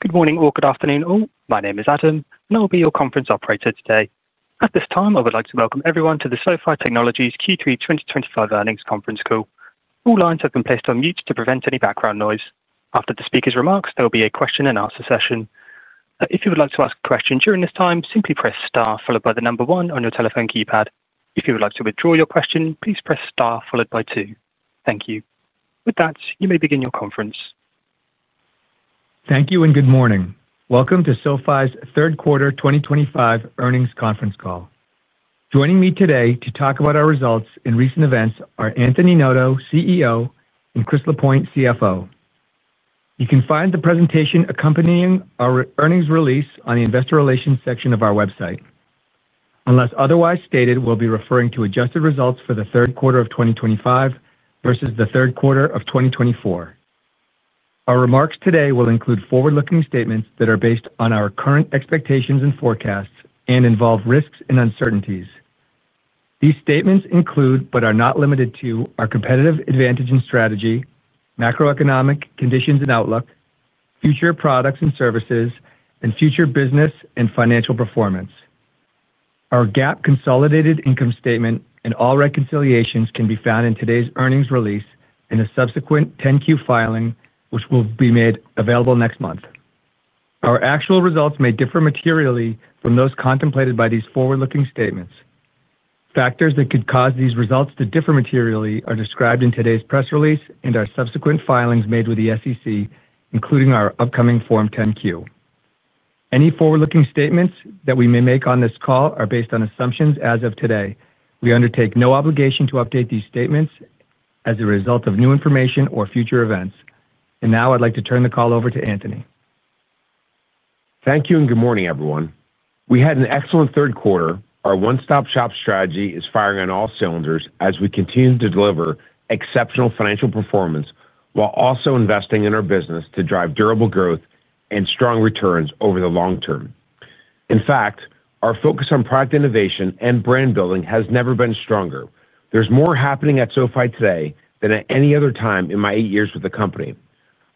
Good morning or good afternoon all. My name is Adam, and I'll be your conference operator today. At this time, I would like to welcome everyone to the SoFi Technologies Q3 2025 Earnings Conference Call. All lines have been placed on mute to prevent any background noise. After the speaker's remarks, there will be a question and answer session. If you would like to ask a question during this time, simply press star, followed by the number 1 on your telephone keypad. If you would like to withdraw your question, please press star, followed by 2. Thank you. With that, you may begin your conference. Thank you and good morning. Welcome to SoFi's Third Quarter 2025 Earnings Conference Call. Joining me today to talk about our results and recent events are Anthony Noto, CEO, and Chris Lapointe, CFO. You can find the presentation accompanying our earnings release on the investor relations section of our website. Unless otherwise stated, we'll be referring to adjusted results for the third quarter of 2025 versus the third quarter of 2024. Our remarks today will include forward-looking statements that are based on our current expectations and forecasts and involve risks and uncertainties. These statements include, but are not limited to, our competitive advantage and strategy, macroeconomic conditions and outlook, future products and services, and future business and financial performance. Our GAAP consolidated income statement and all reconciliations can be found in today's earnings release and a subsequent 10-Q filing, which will be made available next month. Our actual results may differ materially from those contemplated by these forward-looking statements. Factors that could cause these results to differ materially are described in today's press release and our subsequent filings made with the SEC, including our upcoming Form 10-Q. Any forward-looking statements that we may make on this call are based on assumptions as of today. We undertake no obligation to update these statements as a result of new information or future events. I would now like to turn the call over to Anthony. Thank you and good morning, everyone. We had an excellent third quarter. Our one-stop shop strategy is firing on all cylinders as we continue to deliver exceptional financial performance while also investing in our business to drive durable growth and strong returns over the long term. In fact, our focus on product innovation and brand building has never been stronger. There's more happening at SoFi Technologies today than at any other time in my eight years with the company.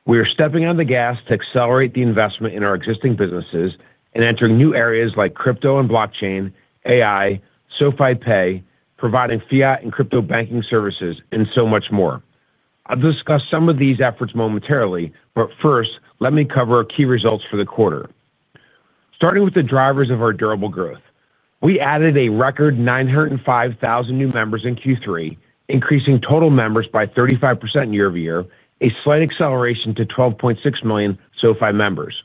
We are stepping on the gas to accelerate the investment in our existing businesses and entering new areas like crypto and blockchain, AI, SoFi Pay, providing fiat and crypto banking services, and so much more. I'll discuss some of these efforts momentarily, but first, let me cover our key results for the quarter. Starting with the drivers of our durable growth, we added a record 905,000 new members in Q3, increasing total members by 35% year-over-year, a slight acceleration to 12.6 million SoFi members.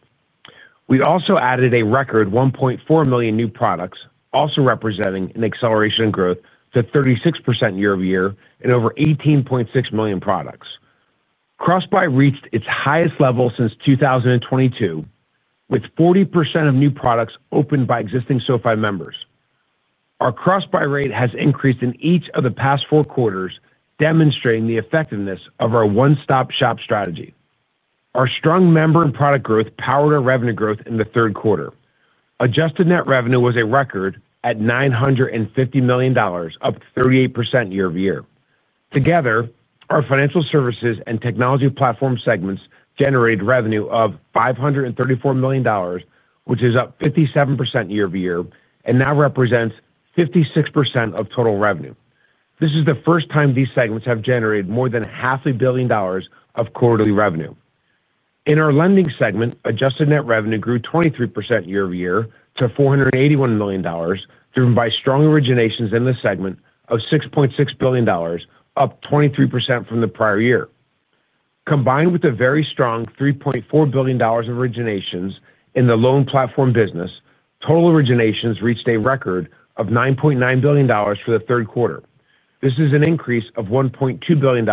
We also added a record 1.4 million new products, also representing an acceleration in growth to 36% year-over-year and over 18.6 million products. Cross buy reached its highest level since 2022, with 40% of new products opened by existing SoFi members. Our cross buy rate has increased in each of the past four quarters, demonstrating the effectiveness of our one-stop shop strategy. Our strong member and product growth powered our revenue growth in the third quarter. Adjusted net revenue was a record at $950 million, up 38% year-over-year. Together, our financial services and technology platform segments generated revenue of $534 million, which is up 57% year-over-year and now represents 56% of total revenue. This is the first time these segments have generated more than half a billion dollars of quarterly revenue. In our lending segment, adjusted net revenue grew 23% year-over-year to $481 million, driven by strong originations in this segment of $6.6 billion, up 23% from the prior year. Combined with the very strong $3.4 billion of originations in the loan platform business, total originations reached a record of $9.9 billion for the third quarter. This is an increase of $1.2 billion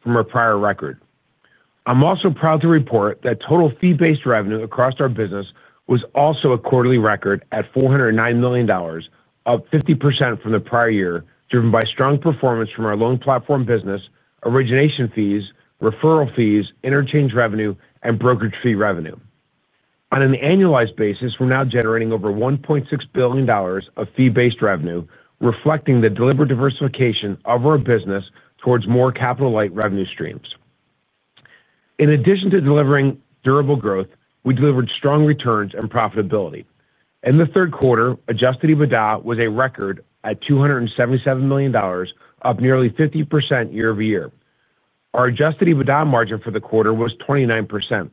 from our prior record. I'm also proud to report that total fee-based revenue across our business was also a quarterly record at $409 million, up 50% from the prior year, driven by strong performance from our loan platform business, origination fees, referral fees, interchange revenue, and brokerage fee revenue. On an annualized basis, we're now generating over $1.6 billion of fee-based revenue, reflecting the deliberate diversification of our business towards more capital-light revenue streams. In addition to delivering durable growth, we delivered strong returns and profitability. In the third quarter, Adjusted EBITDA was a record at $277 million, up nearly 50% year-over-year. Our Adjusted EBITDA margin for the quarter was 29%.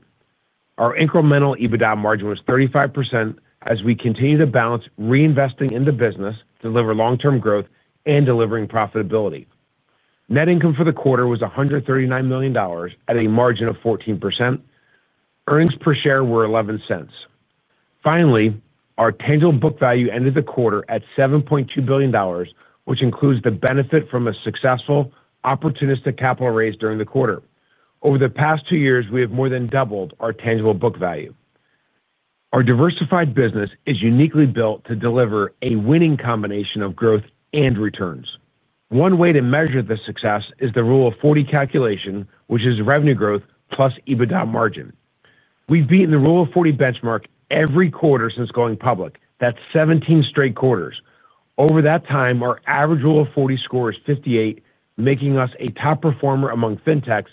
Our Incremental EBITDA margin was 35% as we continue to balance reinvesting in the business to deliver long-term growth and delivering profitability. Net income for the quarter was $139 million at a margin of 14%. Earnings per share were $0.11. Finally, our tangible book value ended the quarter at $7.2 billion, which includes the benefit from a successful opportunistic capital raise during the quarter. Over the past two years, we have more than doubled our tangible book value. Our diversified business is uniquely built to deliver a winning combination of growth and returns. One way to measure the success is the rule of 40 calculation, which is revenue growth plus EBITDA margin. We've beaten the rule of 40 benchmark every quarter since going public. That's 17 straight quarters. Over that time, our average rule of 40 score is 58%, making us a top performer among fintechs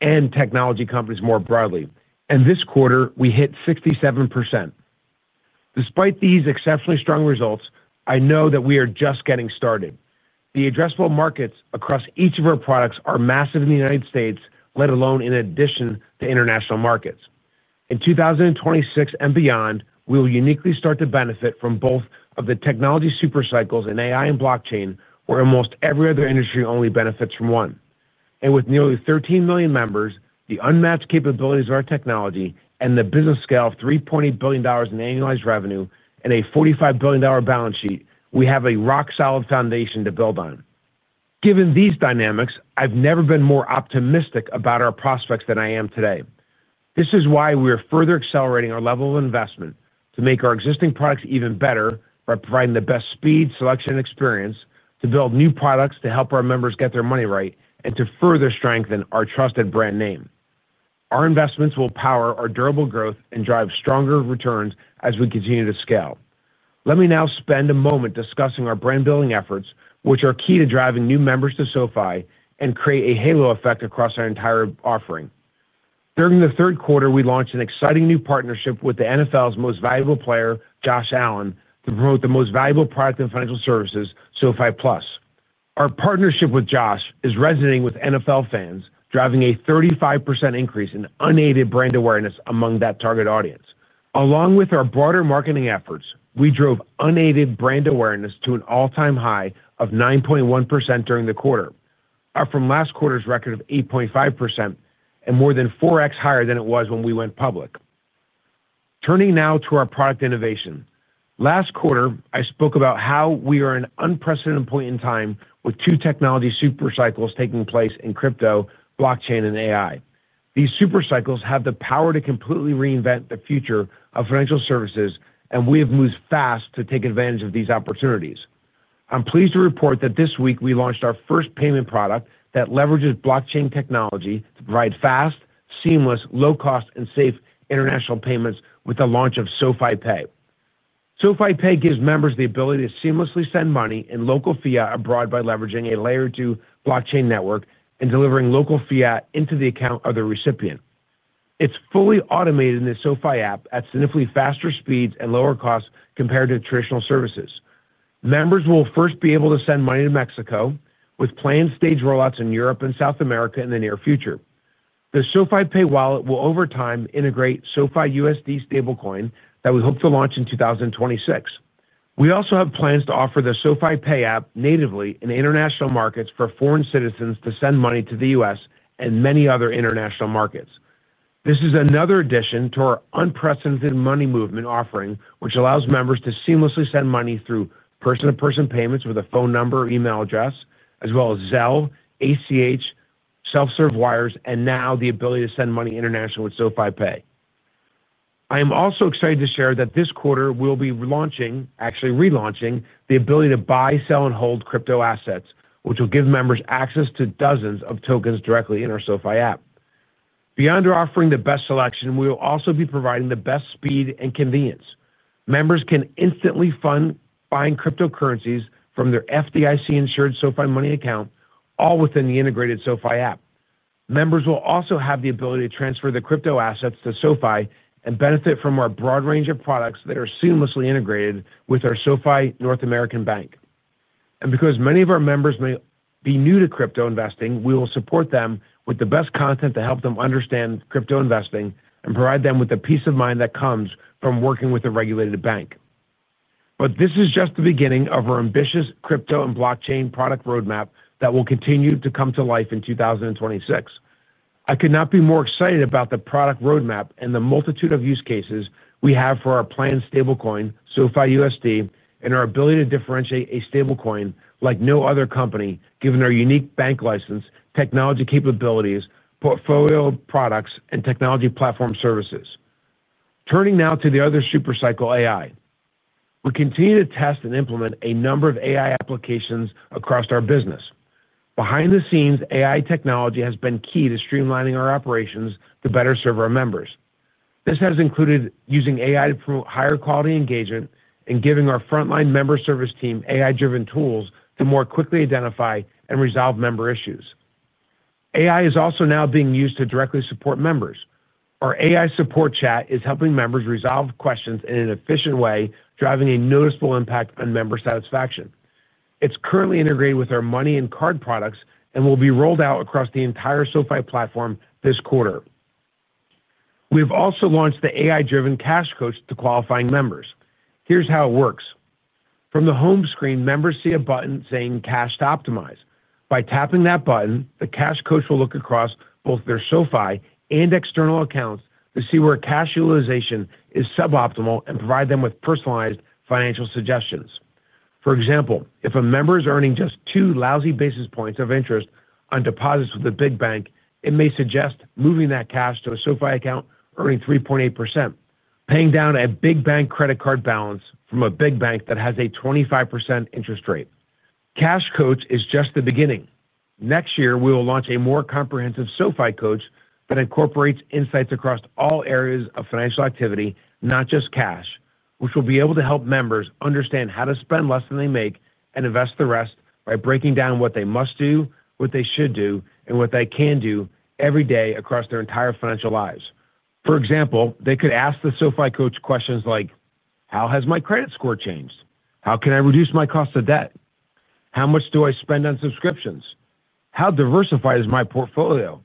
and technology companies more broadly. This quarter, we hit 67%. Despite these exceptionally strong results, I know that we are just getting started. The addressable markets across each of our products are massive in the U.S., let alone in addition to international markets. In 2026 and beyond, we will uniquely start to benefit from both of the technology supercycles in AI and blockchain, where almost every other industry only benefits from one. With nearly 13 million members, the unmatched capabilities of our technology, and the business scale of $3.8 billion in annualized revenue, and a $45 billion balance sheet, we have a rock-solid foundation to build on. Given these dynamics, I've never been more optimistic about our prospects than I am today. This is why we are further accelerating our level of investment to make our existing products even better by providing the best speed, selection, and experience to build new products to help our members get their money right and to further strengthen our trusted brand name. Our investments will power our durable growth and drive stronger returns as we continue to scale. Let me now spend a moment discussing our brand-building efforts, which are key to driving new members to SoFi and create a halo effect across our entire offering. During the third quarter, we launched an exciting new partnership with the NFL's most valuable player, Josh Allen, to promote the most valuable product in financial services, SoFi Plus. Our partnership with Josh is resonating with NFL fans, driving a 35% increase in unaided brand awareness among that target audience. Along with our broader marketing efforts, we drove unaided brand awareness to an all-time high of 9.1% during the quarter, up from last quarter's record of 8.5% and more than 4x higher than it was when we went public. Turning now to our product innovation. Last quarter, I spoke about how we are at an unprecedented point in time with two technology supercycles taking place in crypto, blockchain, and AI. These supercycles have the power to completely reinvent the future of financial services, and we have moved fast to take advantage of these opportunities. I'm pleased to report that this week we launched our first payment product that leverages blockchain technology to provide fast, seamless, low-cost, and safe international payments with the launch of SoFi Pay. SoFi Pay gives members the ability to seamlessly send money in local fiat abroad by leveraging a layer two blockchain network and delivering local fiat into the account of the recipient. It's fully automated in the SoFi app at significantly faster speeds and lower costs compared to traditional services. Members will first be able to send money to Mexico, with planned stage rollouts in Europe and South America in the near future. The SoFi Pay wallet will over time integrate SoFi USD stablecoin that we hope to launch in 2026. We also have plans to offer the SoFi Pay app natively in international markets for foreign citizens to send money to the U.S. and many other international markets. This is another addition to our unprecedented money movement offering, which allows members to seamlessly send money through person-to-person payments with a phone number or email address, as well as Zelle, ACH, self-serve wires, and now the ability to send money internationally with SoFi Pay. I am also excited to share that this quarter we'll be launching, actually relaunching, the ability to buy, sell, and hold crypto assets, which will give members access to dozens of tokens directly in our SoFi app. Beyond offering the best selection, we will also be providing the best speed and convenience. Members can instantly fund buying cryptocurrencies from their FDIC-insured SoFi money account, all within the integrated SoFi app. Members will also have the ability to transfer the crypto assets to SoFi and benefit from our broad range of products that are seamlessly integrated with our SoFi North American Bank. Because many of our members may be new to crypto investing, we will support them with the best content to help them understand crypto investing and provide them with the peace of mind that comes from working with a regulated bank. This is just the beginning of our ambitious crypto and blockchain product roadmap that will continue to come to life in 2026. I could not be more excited about the product roadmap and the multitude of use cases we have for our planned stablecoin, SoFi USD, and our ability to differentiate a stablecoin like no other company, given our unique bank license, technology capabilities, portfolio products, and technology platform services. Turning now to the other supercycle, AI. We continue to test and implement a number of AI applications across our business. Behind the scenes, AI technology has been key to streamlining our operations to better serve our members. This has included using AI to promote higher quality engagement and giving our frontline member service team AI-driven tools to more quickly identify and resolve member issues. AI is also now being used to directly support members. Our AI support chat is helping members resolve questions in an efficient way, driving a noticeable impact on member satisfaction. It's currently integrated with our money and card products and will be rolled out across the entire SoFi platform this quarter. We've also launched the AI-driven Cash Coach to qualifying members. Here's how it works. From the home screen, members see a button saying "Cash to Optimize." By tapping that button, the Cash Coach will look across both their SoFi and external accounts to see where cash utilization is suboptimal and provide them with personalized financial suggestions. For example, if a member is earning just two lousy basis points of interest on deposits with a big bank, it may suggest moving that cash to a SoFi account earning 3.8%. Paying down a big bank credit card balance from a big bank that has a 25% interest rate. Cash Coach is just the beginning. Next year, we will launch a more comprehensive SoFi Coach that incorporates insights across all areas of financial activity, not just cash, which will be able to help members understand how to spend less than they make and invest the rest by breaking down what they must do, what they should do, and what they can do every day across their entire financial lives. For example, they could ask the SoFi Coach questions like, "How has my credit score changed? How can I reduce my cost of debt? How much do I spend on subscriptions? How diversified is my portfolio?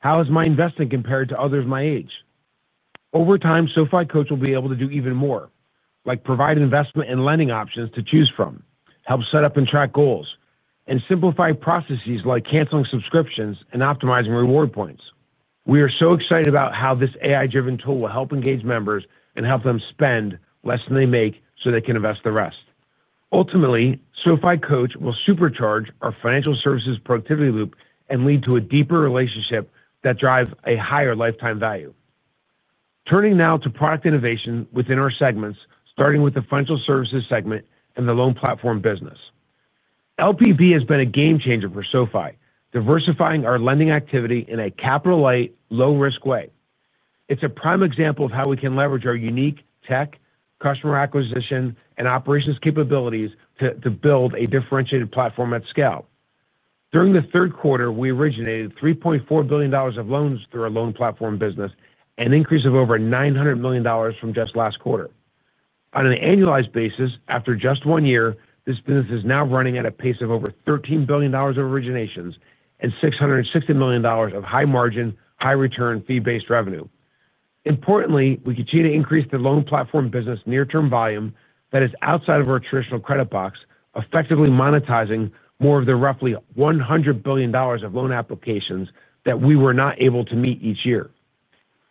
How has my investing compared to others my age?" Over time, SoFi Coach will be able to do even more, like provide investment and lending options to choose from, help set up and track goals, and simplify processes like canceling subscriptions and optimizing reward points. We are so excited about how this AI-driven tool will help engage members and help them spend less than they make so they can invest the rest. Ultimately, SoFi Coach will supercharge our financial services productivity loop and lead to a deeper relationship that drives a higher lifetime value. Turning now to product innovation within our segments, starting with the financial services segment and the loan platform business. LPB has been a game changer for SoFi, diversifying our lending activity in a capital-light, low-risk way. It is a prime example of how we can leverage our unique tech, customer acquisition, and operations capabilities to build a differentiated platform at scale. During the third quarter, we originated $3.4 billion of loans through our loan platform business, an increase of over $900 million from just last quarter. On an annualized basis, after just one year, this business is now running at a pace of over $13 billion of originations and $660 million of high margin, high return, fee-based revenue. Importantly, we continue to increase the loan platform business near-term volume that is outside of our traditional credit box, effectively monetizing more of the roughly $100 billion of loan applications that we were not able to meet each year.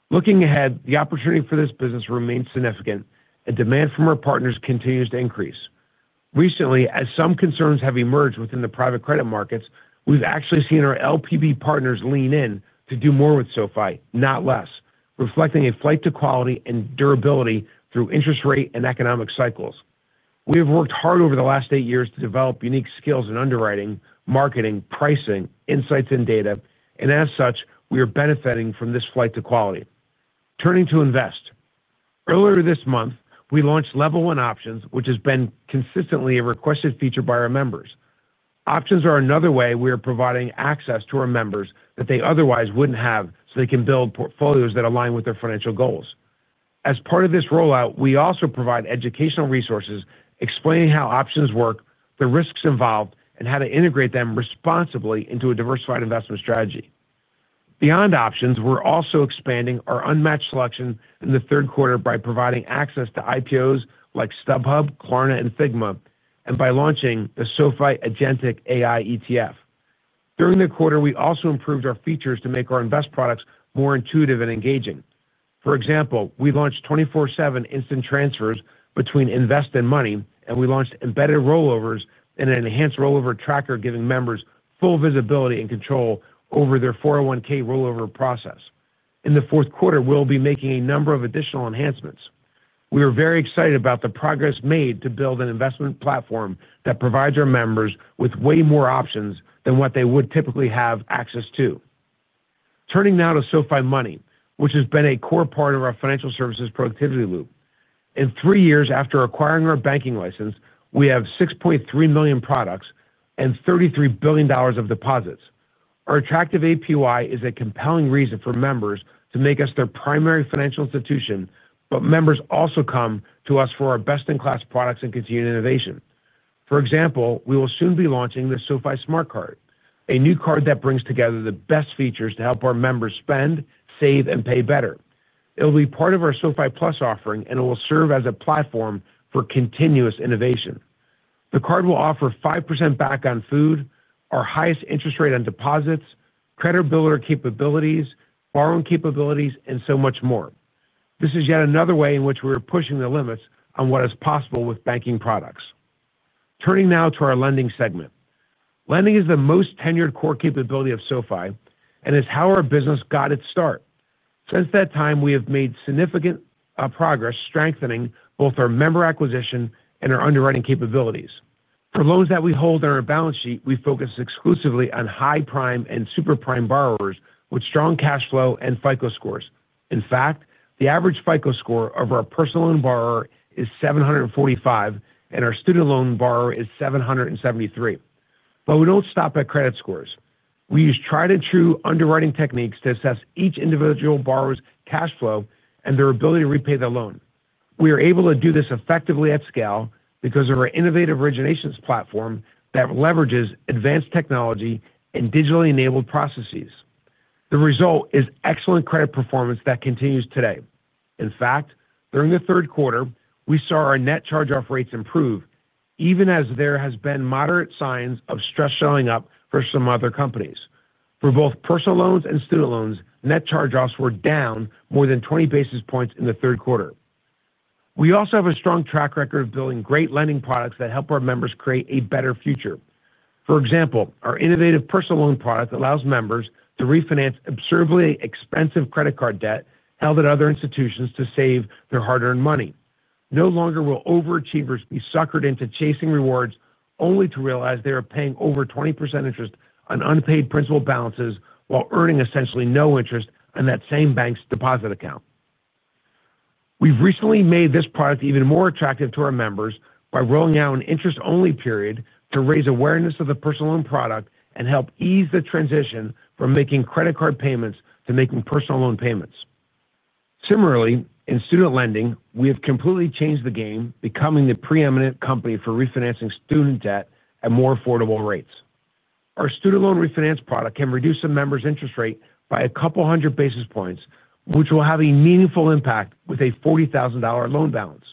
Looking ahead, the opportunity for this business remains significant, and demand from our partners continues to increase. Recently, as some concerns have emerged within the private credit markets, we have actually seen our LPB partners lean in to do more with SoFi, not less, reflecting a flight to quality and durability through interest rate and economic cycles. We have worked hard over the last eight years to develop unique skills in underwriting, marketing, pricing, insights, and data, and as such, we are benefiting from this flight to quality. Turning to invest. Earlier this month, we launched Level 1 Options, which has been consistently a requested feature by our members. Options are another way we are providing access to our members that they otherwise wouldn't have so they can build portfolios that align with their financial goals. As part of this rollout, we also provide educational resources explaining how options work, the risks involved, and how to integrate them responsibly into a diversified investment strategy. Beyond options, we're also expanding our unmatched selection in the third quarter by providing access to IPOs like StubHub, Klarna, and Figma, and by launching the SoFi Agentic AI ETF. During the quarter, we also improved our features to make our invest products more intuitive and engaging. For example, we launched 24/7 instant transfers between invest and money, and we launched embedded rollovers and an enhanced rollover tracker, giving members full visibility and control over their 401(k) rollover process. In the fourth quarter, we'll be making a number of additional enhancements. We are very excited about the progress made to build an investment platform that provides our members with way more options than what they would typically have access to. Turning now to SoFi Money, which has been a core part of our financial services productivity loop. In three years after acquiring our banking license, we have 6.3 million products and $33 billion of deposits. Our attractive APY is a compelling reason for members to make us their primary financial institution, but members also come to us for our best-in-class products and continued innovation. For example, we will soon be launching the SoFi Smart Card, a new card that brings together the best features to help our members spend, save, and pay better. It'll be part of our SoFi Plus offering, and it will serve as a platform for continuous innovation. The card will offer 5% back on food, our highest interest rate on deposits, credit builder capabilities, borrowing capabilities, and so much more. This is yet another way in which we are pushing the limits on what is possible with banking products. Turning now to our lending segment. Lending is the most tenured core capability of SoFi and is how our business got its start. Since that time, we have made significant progress strengthening both our member acquisition and our underwriting capabilities. For loans that we hold on our balance sheet, we focus exclusively on high prime and super prime borrowers with strong cash flow and FICO scores. In fact, the average FICO score of our personal loan borrower is 745, and our student loan borrower is 773. We don't stop at credit scores. We use tried-and-true underwriting techniques to assess each individual borrower's cash flow and their ability to repay the loan. We are able to do this effectively at scale because of our innovative originations platform that leverages advanced technology and digitally enabled processes. The result is excellent credit performance that continues today. In fact, during the third quarter, we saw our net charge-off rates improve, even as there have been moderate signs of stress showing up for some other companies. For both personal loans and student loans, net charge-offs were down more than 20 basis points in the third quarter. We also have a strong track record of building great lending products that help our members create a better future. For example, our innovative personal loan product allows members to refinance absurdly expensive credit card debt held at other institutions to save their hard-earned money. No longer will overachievers be suckered into chasing rewards only to realize they are paying over 20% interest on unpaid principal balances while earning essentially no interest on that same bank's deposit account. We've recently made this product even more attractive to our members by rolling out an interest-only period to raise awareness of the personal loan product and help ease the transition from making credit card payments to making personal loan payments. Similarly, in student lending, we have completely changed the game, becoming the preeminent company for refinancing student debt at more affordable rates. Our student loan refinance product can reduce a member's interest rate by a couple hundred basis points, which will have a meaningful impact with a $40,000 loan balance.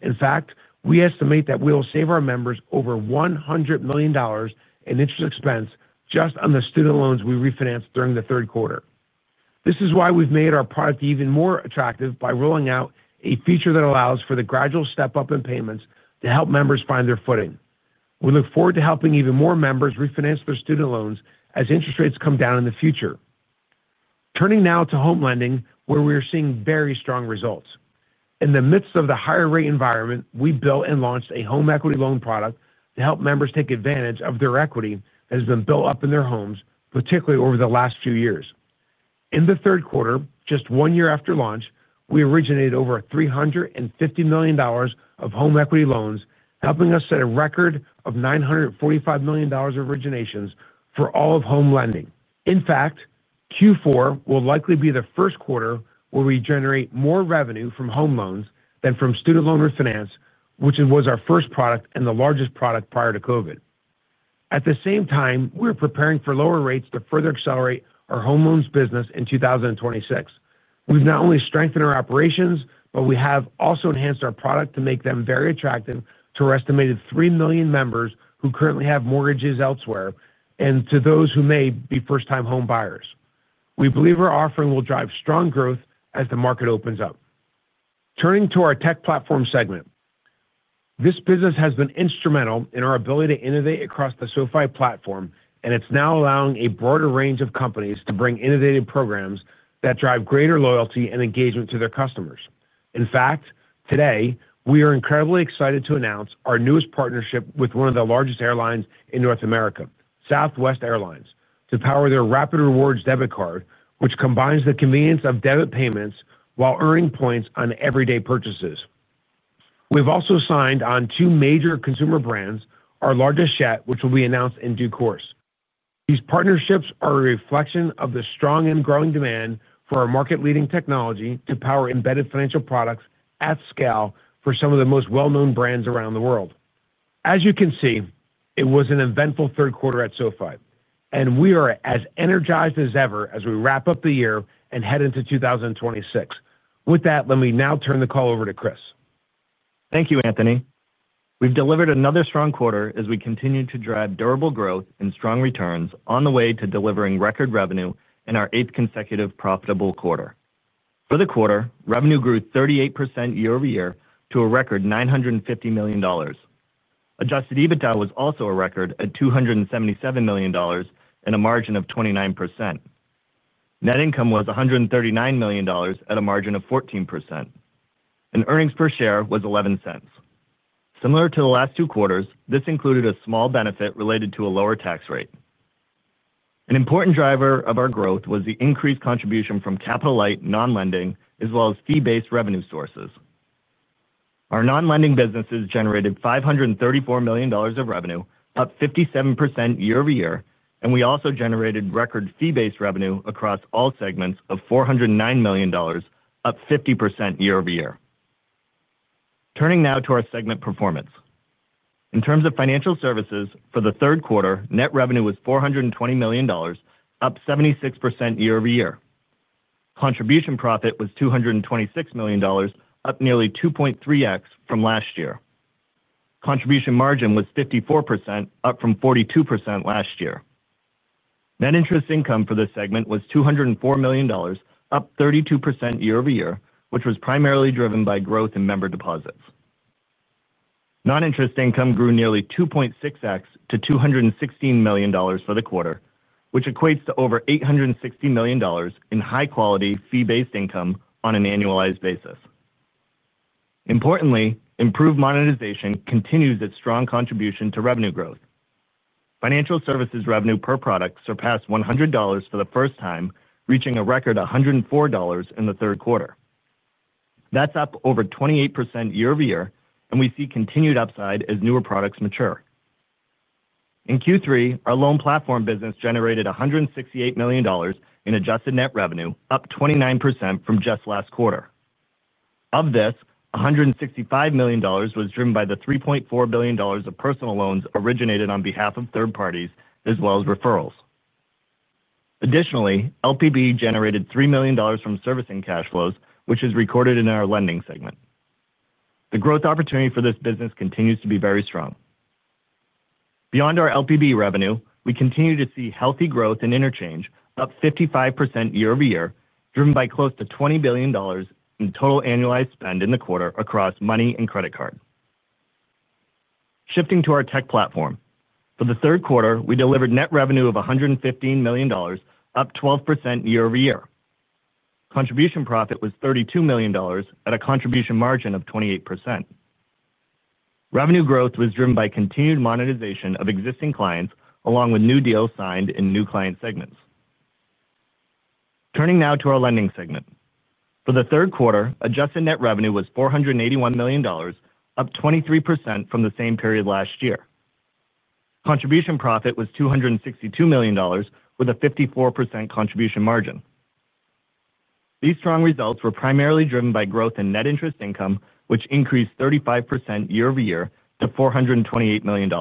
In fact, we estimate that we will save our members over $100 million in interest expense just on the student loans we refinanced during the third quarter. This is why we've made our product even more attractive by rolling out a feature that allows for the gradual step up in payments to help members find their footing. We look forward to helping even more members refinance their student loans as interest rates come down in the future. Turning now to home lending, where we are seeing very strong results. In the midst of the higher rate environment, we built and launched a home equity loan product to help members take advantage of their equity that has been built up in their homes, particularly over the last few years. In the third quarter, just one year after launch, we originated over $350 million of home equity loans, helping us set a record of $945 million of originations for all of home lending. In fact, Q4 will likely be the first quarter where we generate more revenue from home loans than from student loan refinance, which was our first product and the largest product prior to COVID. At the same time, we are preparing for lower rates to further accelerate our home loans business in 2026. We've not only strengthened our operations, but we have also enhanced our product to make them very attractive to our estimated 3 million members who currently have mortgages elsewhere and to those who may be first-time home buyers. We believe our offering will drive strong growth as the market opens up. Turning to our tech platform segment, this business has been instrumental in our ability to innovate across the SoFi platform, and it's now allowing a broader range of companies to bring innovative programs that drive greater loyalty and engagement to their customers. In fact, today, we are incredibly excited to announce our newest partnership with one of the largest airlines in North America, Southwest Airlines, to power their Rapid Rewards debit card, which combines the convenience of debit payments while earning points on everyday purchases. We've also signed on two major consumer brands, our largest yet, which will be announced in due course. These partnerships are a reflection of the strong and growing demand for our market-leading technology to power embedded financial products at scale for some of the most well-known brands around the world. As you can see, it was an eventful third quarter at SoFi, and we are as energized as ever as we wrap up the year and head into 2026. With that, let me now turn the call over to Chris. Thank you, Anthony. We've delivered another strong quarter as we continue to drive durable growth and strong returns on the way to delivering record revenue in our eighth consecutive profitable quarter. For the quarter, revenue grew 38% year-over-year to a record $950 million. Adjusted EBITDA was also a record at $277 million and a margin of 29%. Net income was $139 million at a margin of 14%. Earnings per share was $0.11. Similar to the last two quarters, this included a small benefit related to a lower tax rate. An important driver of our growth was the increased contribution from capital-light non-lending, as well as fee-based revenue sources. Our non-lending businesses generated $534 million of revenue, up 57% year-over-year, and we also generated record fee-based revenue across all segments of $409 million, up 50% year-over-year. Turning now to our segment performance. In terms of financial services, for the third quarter, net revenue was $420 million, up 76% year-over-year. Contribution profit was $226 million, up nearly 2.3X from last year. Contribution margin was 54%, up from 42% last year. Net interest income for this segment was $204 million, up 32% year-over-year, which was primarily driven by growth in member deposits. Non-interest income grew nearly 2.6x to $216 million for the quarter, which equates to over $860 million in high-quality fee-based income on an annualized basis. Importantly, improved monetization continues its strong contribution to revenue growth. Financial services revenue per product surpassed $100 for the first time, reaching a record $104 in the third quarter. That's up over 28% year-over-year, and we see continued upside as newer products mature. In Q3, our loan platform business generated $168 million in adjusted net revenue, up 29% from just last quarter. Of this, $165 million was driven by the $3.4 billion of personal loans originated on behalf of third parties, as well as referrals. Additionally, LPB generated $3 million from servicing cash flows, which is recorded in our lending segment. The growth opportunity for this business continues to be very strong. Beyond our LPB revenue, we continue to see healthy growth in interchange, up 55% year-over-year, driven by close to $20 billion in total annualized spend in the quarter across money and credit card. Shifting to our tech platform. For the third quarter, we delivered net revenue of $115 million, up 12% year-over-year. Contribution profit was $32 million at a contribution margin of 28%. Revenue growth was driven by continued monetization of existing clients, along with new deals signed in new client segments. Turning now to our lending segment. For the third quarter, adjusted net revenue was $481 million, up 23% from the same period last year. Contribution profit was $262 million, with a 54% contribution margin. These strong results were primarily driven by growth in net interest income, which increased 35% year-over-year to $428 million.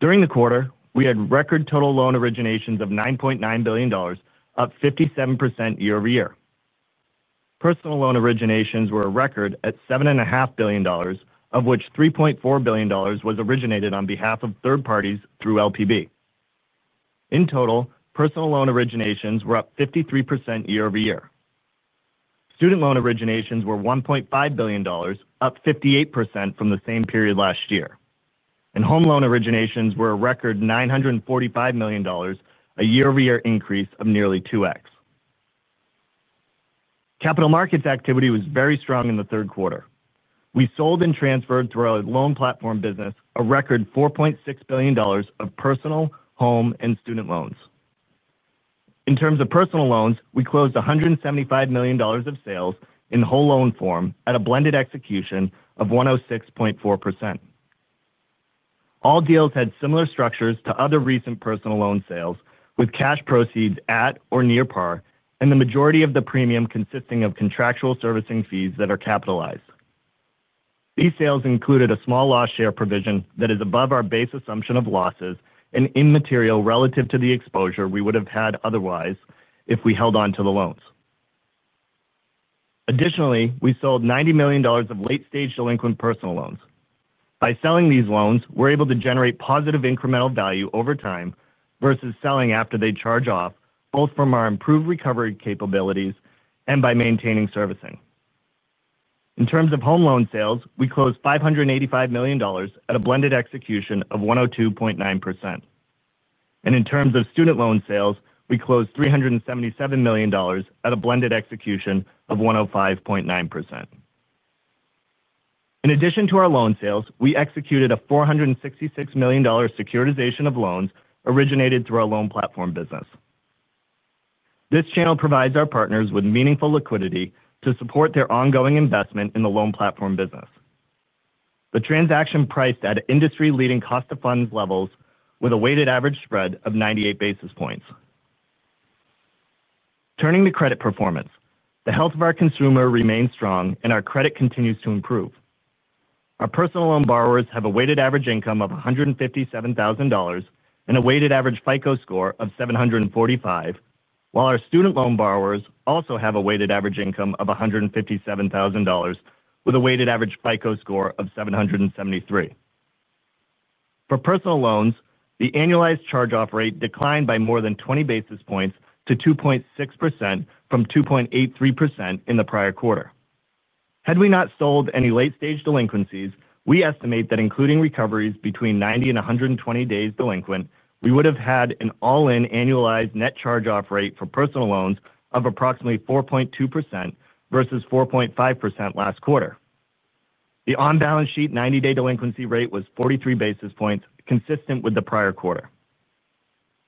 During the quarter, we had record total loan originations of $9.9 billion, up 57% year-over-year. Personal loan originations were a record at $7.5 billion, of which $3.4 billion was originated on behalf of third parties through LPB. In total, personal loan originations were up 53% year-over-year. Student loan originations were $1.5 billion, up 58% from the same period last year. Home loan originations were a record $945 million, a year-over-year increase of nearly 2x. Capital markets activity was very strong in the third quarter. We sold and transferred through our loan platform business a record $4.6 billion of personal, home, and student loans. In terms of personal loans, we closed $175 million of sales in whole loan form at a blended execution of 106.4%. All deals had similar structures to other recent personal loan sales, with cash proceeds at or near par and the majority of the premium consisting of contractual servicing fees that are capitalized. These sales included a small loss share provision that is above our base assumption of losses and immaterial relative to the exposure we would have had otherwise if we held on to the loans. Additionally, we sold $90 million of late-stage delinquent personal loans. By selling these loans, we're able to generate positive incremental value over time versus selling after they charge off, both from our improved recovery capabilities and by maintaining servicing. In terms of home loan sales, we closed $585 million at a blended execution of 102.9%. In terms of student loan sales, we closed $377 million at a blended execution of 105.9%. In addition to our loan sales, we executed a $466 million securitization of loans originated through our loan platform business. This channel provides our partners with meaningful liquidity to support their ongoing investment in the loan platform business. The transaction priced at industry-leading cost of funds levels with a weighted average spread of 98 basis points. Turning to credit performance, the health of our consumer remains strong and our credit continues to improve. Our personal loan borrowers have a weighted average income of $157,000 and a weighted average FICO score of 745, while our student loan borrowers also have a weighted average income of $157,000 with a weighted average FICO score of 773. For personal loans, the annualized charge-off rate declined by more than 20 basis points to 2.6% from 2.83% in the prior quarter. Had we not sold any late-stage delinquencies, we estimate that including recoveries between 90 and 120 days delinquent, we would have had an all-in annualized net charge-off rate for personal loans of approximately 4.2% versus 4.5% last quarter. The on-balance sheet 90-day delinquency rate was 43 basis points, consistent with the prior quarter.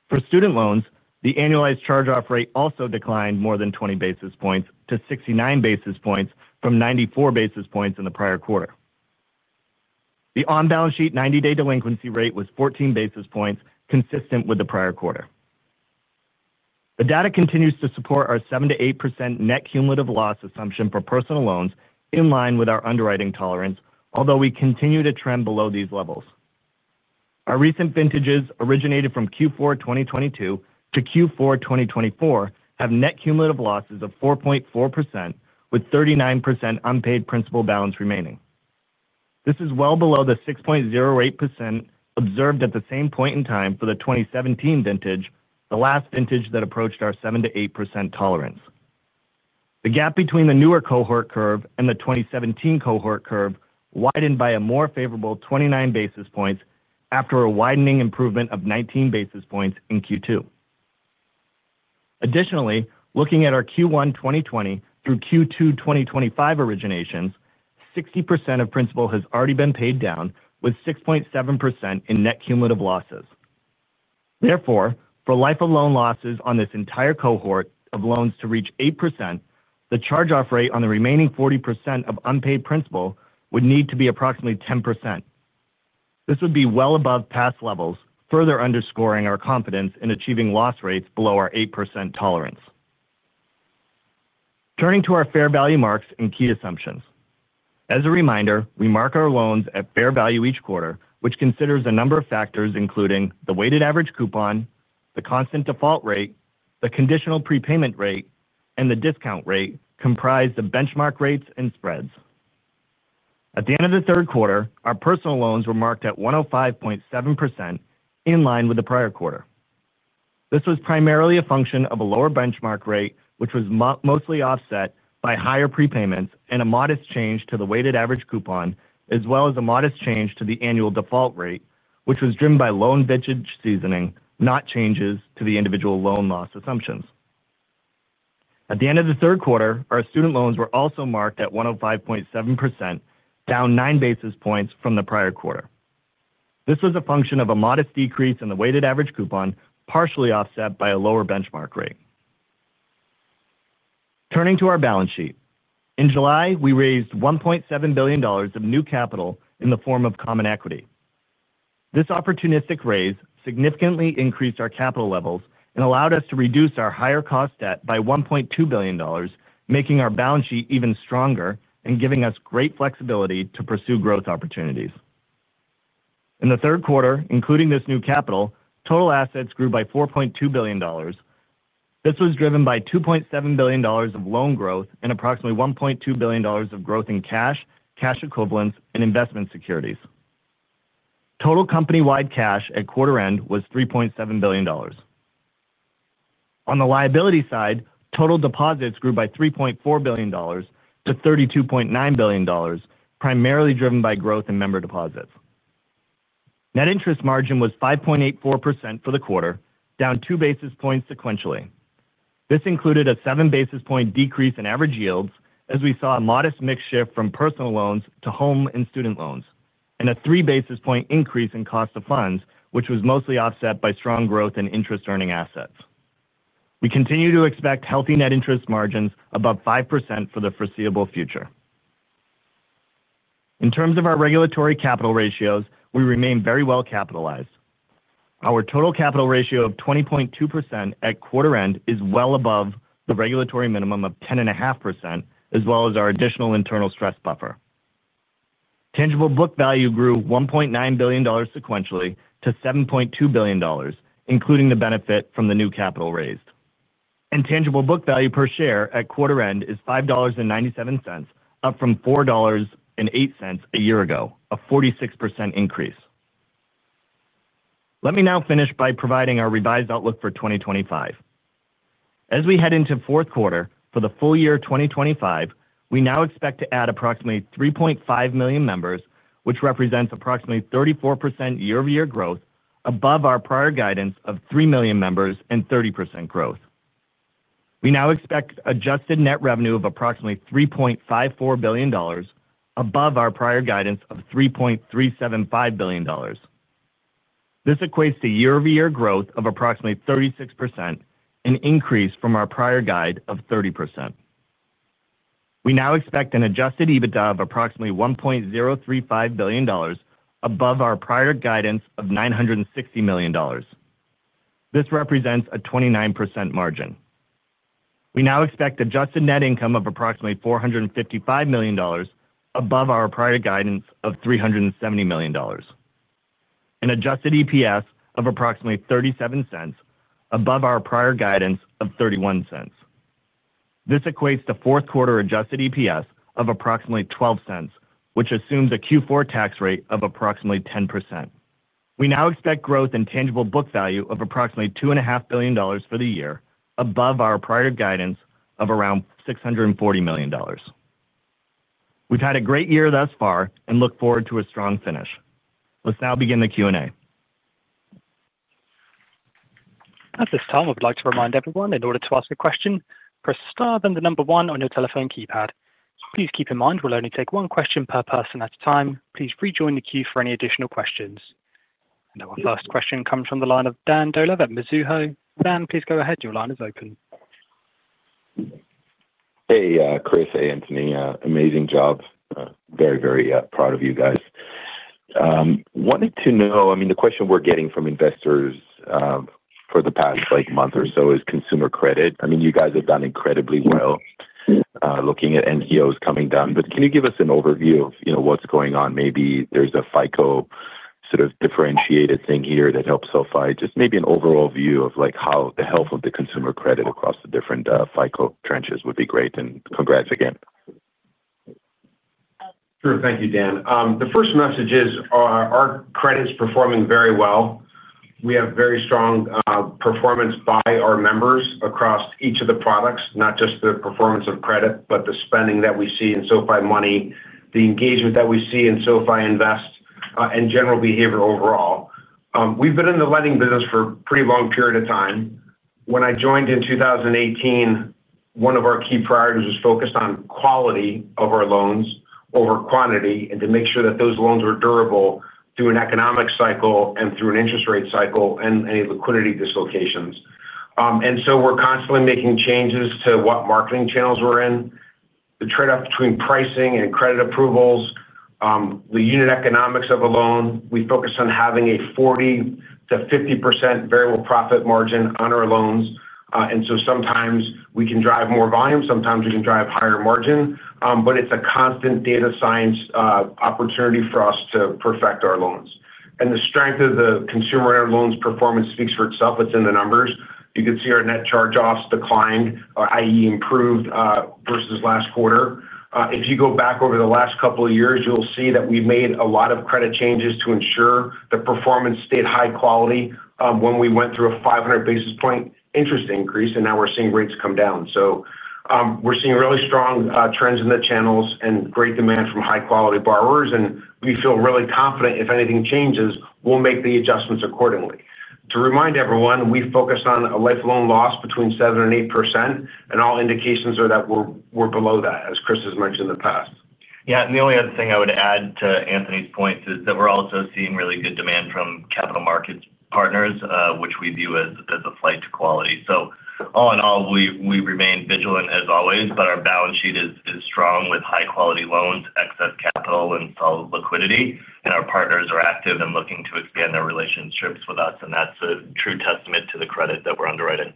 For student loans, the annualized charge-off rate also declined more than 20 basis points to 69 basis points from 94 basis points in the prior quarter. The on-balance sheet 90-day delinquency rate was 14 basis points, consistent with the prior quarter. The data continues to support our 7%-8% net cumulative loss assumption for personal loans in line with our underwriting tolerance, although we continue to trend below these levels. Our recent vintages originated from Q4 2022 to Q4 2024 have net cumulative losses of 4.4%, with 39% unpaid principal balance remaining. This is well below the 6.08% observed at the same point in time for the 2017 vintage, the last vintage that approached our 7%-8% tolerance. The gap between the newer cohort curve and the 2017 cohort curve widened by a more favorable 29 basis points after a widening improvement of 19 basis points in Q2. Additionally, looking at our Q1 2020 through Q2 2025 originations, 60% of principal has already been paid down, with 6.7% in net cumulative losses. Therefore, for life of loan losses on this entire cohort of loans to reach 8%, the charge-off rate on the remaining 40% of unpaid principal would need to be approximately 10%. This would be well above past levels, further underscoring our confidence in achieving loss rates below our 8% tolerance. Turning to our fair value marks and key assumptions. As a reminder, we mark our loans at fair value each quarter, which considers a number of factors, including the weighted average coupon, the constant default rate, the conditional prepayment rate, and the discount rate, comprised of benchmark rates and spreads. At the end of the third quarter, our personal loans were marked at 105.7% in line with the prior quarter. This was primarily a function of a lower benchmark rate, which was mostly offset by higher prepayments and a modest change to the weighted average coupon, as well as a modest change to the annual default rate, which was driven by loan vintage seasoning, not changes to the individual loan loss assumptions. At the end of the third quarter, our student loans were also marked at 105.7%, down nine basis points from the prior quarter. This was a function of a modest decrease in the weighted average coupon, partially offset by a lower benchmark rate. Turning to our balance sheet. In July, we raised $1.7 billion of new capital in the form of common equity. This opportunistic raise significantly increased our capital levels and allowed us to reduce our higher cost debt by $1.2 billion, making our balance sheet even stronger and giving us great flexibility to pursue growth opportunities. In the third quarter, including this new capital, total assets grew by $4.2 billion. This was driven by $2.7 billion of loan growth and approximately $1.2 billion of growth in cash, cash equivalents, and investment securities. Total company-wide cash at quarter end was $3.7 billion. On the liability side, total deposits grew by $3.4 billion-$32.9 billion, primarily driven by growth in member deposits. Net interest margin was 5.84% for the quarter, down two basis points sequentially. This included a seven basis point decrease in average yields, as we saw a modest mix shift from personal loans to home and student loans, and a three basis point increase in cost of funds, which was mostly offset by strong growth in interest-earning assets. We continue to expect healthy net interest margins above 5% for the foreseeable future. In terms of our regulatory capital ratios, we remain very well capitalized. Our total capital ratio of 20.2% at quarter end is well above the regulatory minimum of 10.5%, as well as our additional internal stress buffer. Tangible book value grew $1.9 billion sequentially to $7.2 billion, including the benefit from the new capital raised. Tangible book value per share at quarter end is $5.97, up from $4.08 a year ago, a 46% increase. Let me now finish by providing our revised outlook for 2025. As we head into the fourth quarter for the full year 2025, we now expect to add approximately 3.5 million members, which represents approximately 34% year-over-year growth, above our prior guidance of 3 million members and 30% growth. We now expect adjusted net revenue of approximately $3.54 billion, above our prior guidance of $3.375 billion. This equates to year-over-year growth of approximately 36%, an increase from our prior guide of 30%. We now expect an Adjusted EBITDA of approximately $1.035 billion, above our prior guidance of $960 million. This represents a 29% margin. We now expect adjusted net income of approximately $455 million, above our prior guidance of $370 million. An Adjusted EPS of approximately $0.37, above our prior guidance of $0.31. This equates to fourth quarter Adjusted EPS of approximately $0.12, which assumes a Q4 tax rate of approximately 10%. We now expect growth in tangible book value of approximately $2.5 billion for the year, above our prior guidance of around $640 million. We've had a great year thus far and look forward to a strong finish. Let's now begin the Q&A. At this time, I would like to remind everyone, in order to ask a question, press star then the number one on your telephone keypad. Please keep in mind we'll only take one question per person at a time. Please rejoin the queue for any additional questions. Our first question comes from the line of Dan Dolev at Mizuho. Dan, please go ahead. Your line is open. Hey, Chris. Hey, Anthony. Amazing job. Very, very proud of you guys. Wanted to know, I mean, the question we're getting from investors for the past month or so is consumer credit. I mean, you guys have done incredibly well looking at net charge-off rates coming down. Can you give us an overview of what's going on? Maybe there's a FICO sort of differentiated thing here that helps SoFi. Just maybe an overall view of how the health of the consumer credit across the different FICO branches would be great. Congrats again. Sure. Thank you, Dan. The first message is our credit is performing very well. We have very strong performance by our members across each of the products, not just the performance of credit, but the spending that we see in SoFi Money, the engagement that we see in SoFi Invest, and general behavior overall. We've been in the lending business for a pretty long period of time. When I joined in 2018, one of our key priorities was focused on quality of our loans over quantity and to make sure that those loans were durable through an economic cycle and through an interest rate cycle and any liquidity dislocations. We're constantly making changes to what marketing channels we're in, the trade-off between pricing and credit approvals, the unit economics of a loan. We focus on having a 40%-50% variable profit margin on our loans. Sometimes we can drive more volume, sometimes we can drive higher margin. It's a constant data science opportunity for us to perfect our loans. The strength of the consumer loans performance speaks for itself. It's in the numbers. You can see our net charge-offs declined, i.e., improved versus last quarter. If you go back over the last couple of years, you'll see that we made a lot of credit changes to ensure the performance stayed high quality when we went through a 500 basis point interest increase, and now we're seeing rates come down. We're seeing really strong trends in the channels and great demand from high-quality borrowers. We feel really confident if anything changes, we'll make the adjustments accordingly. To remind everyone, we focus on a lifelong loss between 7% and 8%, and all indications are that we're below that, as Chris has mentioned in the past. The only other thing I would add to Anthony's point is that we're also seeing really good demand from capital markets partners, which we view as a flight to quality. All in all, we remain vigilant as always, but our balance sheet is strong with high-quality loans, excess capital, and solid liquidity. Our partners are active and looking to expand their relationships with us. That's a true testament to the credit that we're underwriting.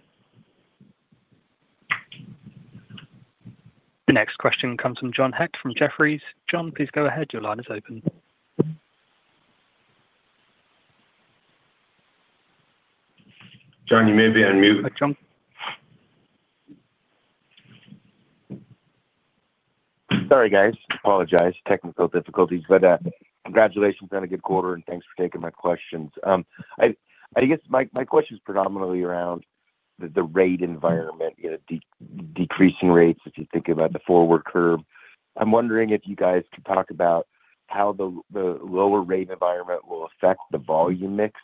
The next question comes from John Heck from Jefferies. John, please go ahead. Your line is open. John, you may be on mute. Sorry, guys. Apologize. Technical difficulties. Congratulations on a good quarter and thanks for taking my questions. I guess my question is predominantly around the rate environment, you know, decreasing rates. If you think about the forward curve, I'm wondering if you guys could talk about how the lower rate environment will affect the volume mix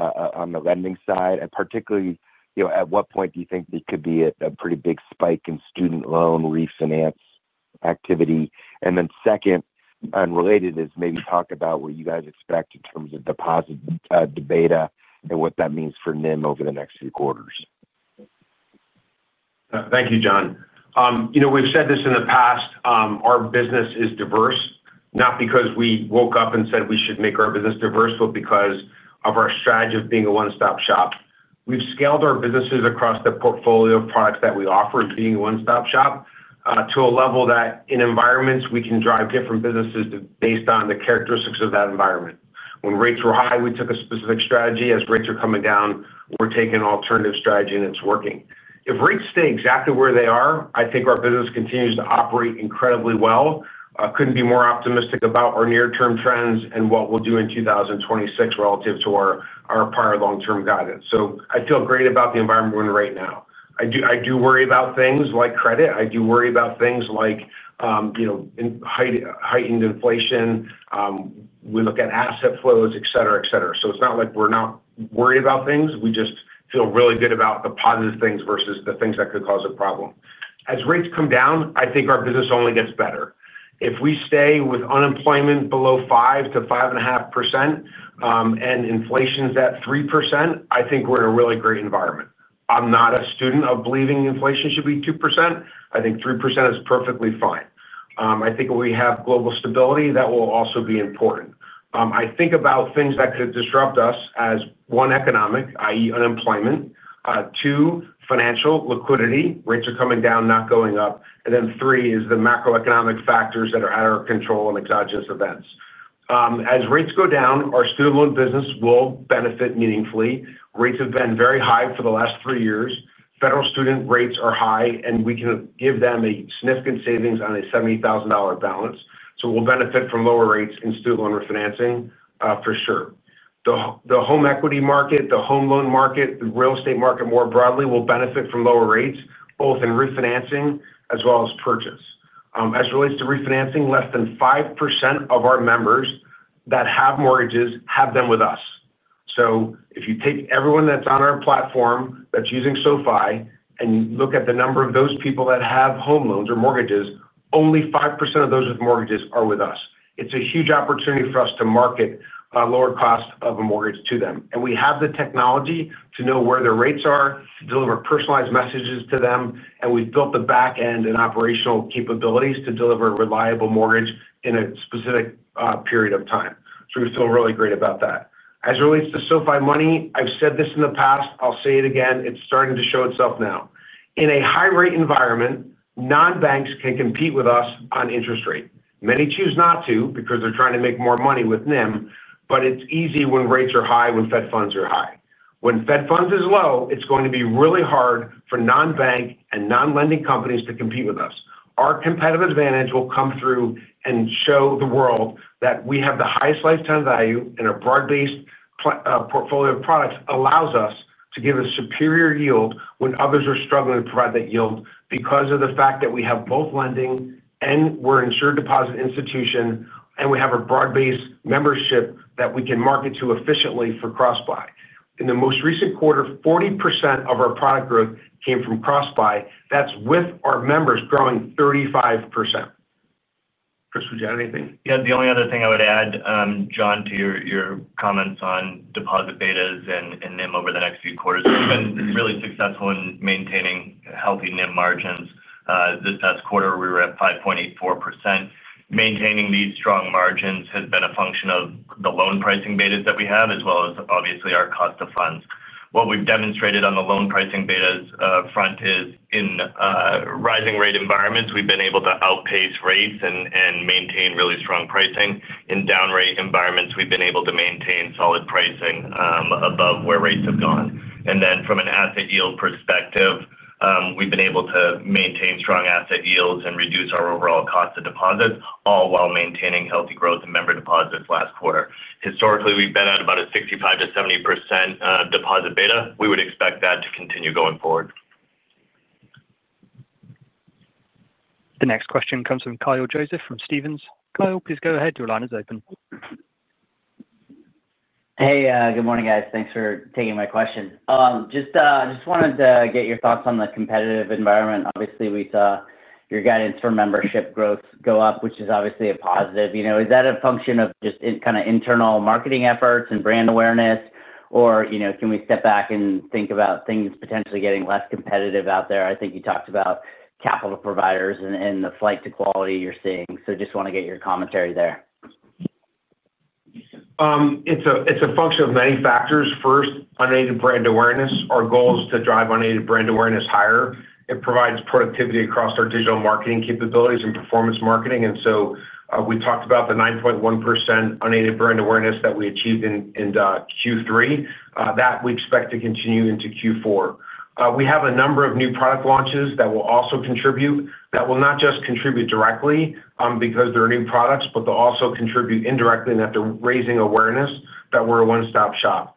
on the lending side. Particularly, at what point do you think there could be a pretty big spike in student loan refinance activity? Second, unrelated, is maybe talk about what you guys expect in terms of deposit debate and what that means for NIM over the next few quarters. Thank you, John. We've said this in the past. Our business is diverse, not because we woke up and said we should make our business diverse, but because of our strategy of being a one-stop shop. We've scaled our businesses across the portfolio of products that we offer as being a one-stop shop to a level that in environments we can drive different businesses based on the characteristics of that environment. When rates were high, we took a specific strategy. As rates are coming down, we're taking an alternative strategy and it's working. If rates stay exactly where they are, I think our business continues to operate incredibly well. I couldn't be more optimistic about our near-term trends and what we'll do in 2026 relative to our prior long-term guidance. I feel great about the environment we're in right now. I do worry about things like credit. I do worry about things like, you know, heightened inflation. We look at asset flows, etc., etc. It's not like we're not worried about things. We just feel really good about the positive things versus the things that could cause a problem. As rates come down, I think our business only gets better. If we stay with unemployment below 5%-5.5% and inflation is at 3%, I think we're in a really great environment. I'm not a student of believing inflation should be 2%. I think 3% is perfectly fine. We have global stability that will also be important. I think about things that could disrupt us as one economic, i.e., unemployment, two, financial liquidity, rates are coming down, not going up, and then three is the macroeconomic factors that are out of our control and exogenous events. As rates go down, our student loan business will benefit meaningfully. Rates have been very high for the last three years. Federal student rates are high, and we can give them significant savings on a $70,000 balance. We will benefit from lower rates in student loan refinancing for sure. The home equity market, the home loan market, the real estate market more broadly will benefit from lower rates both in refinancing as well as purchase. As it relates to refinancing, less than 5% of our members that have mortgages have them with us. If you take everyone that's on our platform that's using SoFi and you look at the number of those people that have home loans or mortgages, only 5% of those with mortgages are with us. It's a huge opportunity for us to market a lower cost of a mortgage to them. We have the technology to know where their rates are, to deliver personalized messages to them, and we've built the back end and operational capabilities to deliver a reliable mortgage in a specific period of time. We feel really great about that. As it relates to SoFi Money, I've said this in the past. I'll say it again. It's starting to show itself now. In a high-rate environment, non-banks can compete with us on interest rate. Many choose not to because they're trying to make more money with NIM, but it's easy when rates are high when Fed funds are high. When Fed funds are low, it's going to be really hard for non-bank and non-lending companies to compete with us. Our competitive advantage will come through and show the world that we have the highest lifetime value and our broad-based portfolio of products allows us to give a superior yield when others are struggling to provide that yield because of the fact that we have both lending and we're an insured deposit institution and we have a broad-based membership that we can market to efficiently for cross-buy. In the most recent quarter, 40% of our product growth came from cross-buy. That's with our members growing 35%. Chris, would you add anything? Yeah. The only other thing I would add, John, to your comments on deposit betas and NIM over the next few quarters, we've been really successful in maintaining healthy NIM margins. This past quarter, we were at 5.84%. Maintaining these strong margins has been a function of the loan pricing betas that we have, as well as obviously our cost of funds. What we've demonstrated on the loan pricing betas front is in rising rate environments, we've been able to outpace rates and maintain really strong pricing. In down rate environments, we've been able to maintain solid pricing above where rates have gone. From an asset yield perspective, we've been able to maintain strong asset yields and reduce our overall cost of deposits, all while maintaining healthy growth in member deposits last quarter. Historically, we've been at about a 65%-70% deposit beta. We would expect that to continue going forward. The next question comes from Kyle Joseph from Stephens. Kyle, please go ahead. Your line is open. Hey, good morning, guys. Thanks for taking my question. Just wanted to get your thoughts on the competitive environment. Obviously, we saw your guidance for membership growth go up, which is obviously a positive. Is that a function of just kind of internal marketing efforts and brand awareness, or can we step back and think about things potentially getting less competitive out there? I think you talked about capital providers and the flight to quality you're seeing. Just want to get your commentary there. It's a function of many factors. First, unaided brand awareness. Our goal is to drive unaided brand awareness higher. It provides productivity across our digital marketing capabilities and performance marketing. We talked about the 9.1% unaided brand awareness that we achieved in Q3, which we expect to continue into Q4. We have a number of new product launches that will also contribute. They will not just contribute directly because they are new products, but they'll also contribute indirectly in that they're raising awareness that we're a one-stop shop.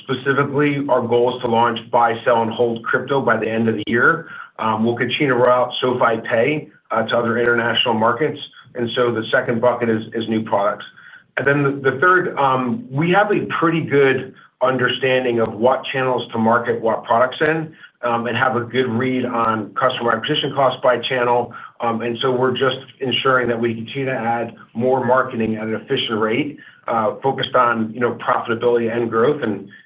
Specifically, our goal is to launch, buy, sell, and hold crypto by the end of the year. We'll continue to roll out SoFi Pay to other international markets. The second bucket is new products. The third, we have a pretty good understanding of what channels to market what products in and have a good read on customer acquisition costs by channel. We're just ensuring that we continue to add more marketing at an efficient rate focused on profitability and growth.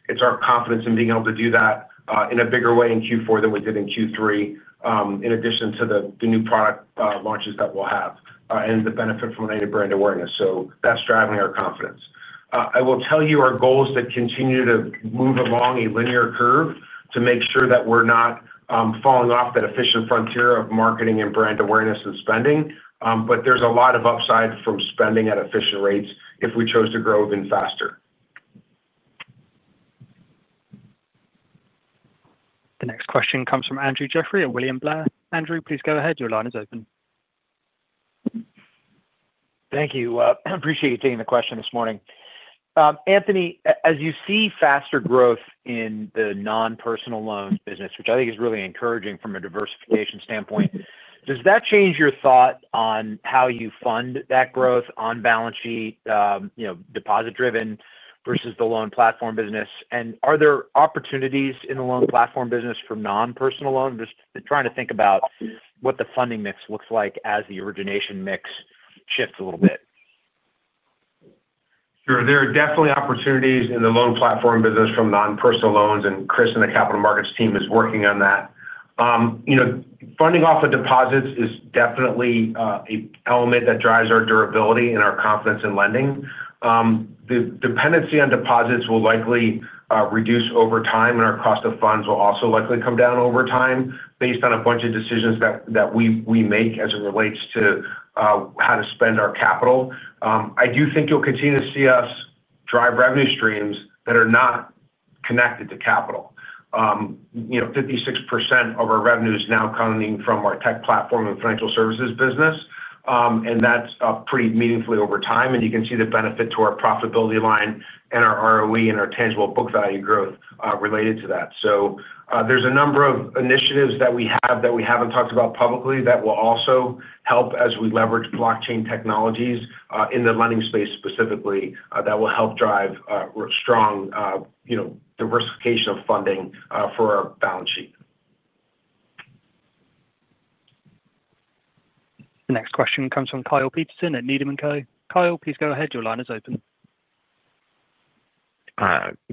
It's our confidence in being able to do that in a bigger way in Q4 than we did in Q3, in addition to the new product launches that we'll have and the benefit from unaided brand awareness. That's driving our confidence. I will tell you our goals that continue to move along a linear curve to make sure that we're not falling off that efficient frontier of marketing and brand awareness and spending. There's a lot of upside from spending at efficient rates if we chose to grow even faster. The next question comes from Andrew Jeffrey at William Blair. Andrew, please go ahead. Your line is open. Thank you. I appreciate you taking the question this morning. Anthony, as you see faster growth in the non-personal loan business, which I think is really encouraging from a diversification standpoint, does that change your thought on how you fund that growth on balance sheet, deposit-driven versus the loan platform business? Are there opportunities in the loan platform business for non-personal loan? I'm just trying to think about what the funding mix looks like as the origination mix shifts a little bit. Sure. There are definitely opportunities in the loan platform business from non-personal loans. Chris and the capital markets team are working on that. Funding off of deposits is definitely an element that drives our durability and our confidence in lending. The dependency on deposits will likely reduce over time, and our cost of funds will also likely come down over time based on a bunch of decisions that we make as it relates to how to spend our capital. I do think you'll continue to see us drive revenue streams that are not connected to capital. 56% of our revenue is now coming from our tech platform and financial services business, and that's pretty meaningfully over time. You can see the benefit to our profitability line and our ROE and our tangible book value growth related to that. There are a number of initiatives that we have that we haven't talked about publicly that will also help as we leverage blockchain technologies in the lending space specifically that will help drive strong diversification of funding for our balance sheet. The next question comes from Kyle Peterson at Needham & Co. Kyle, please go ahead. Your line is open.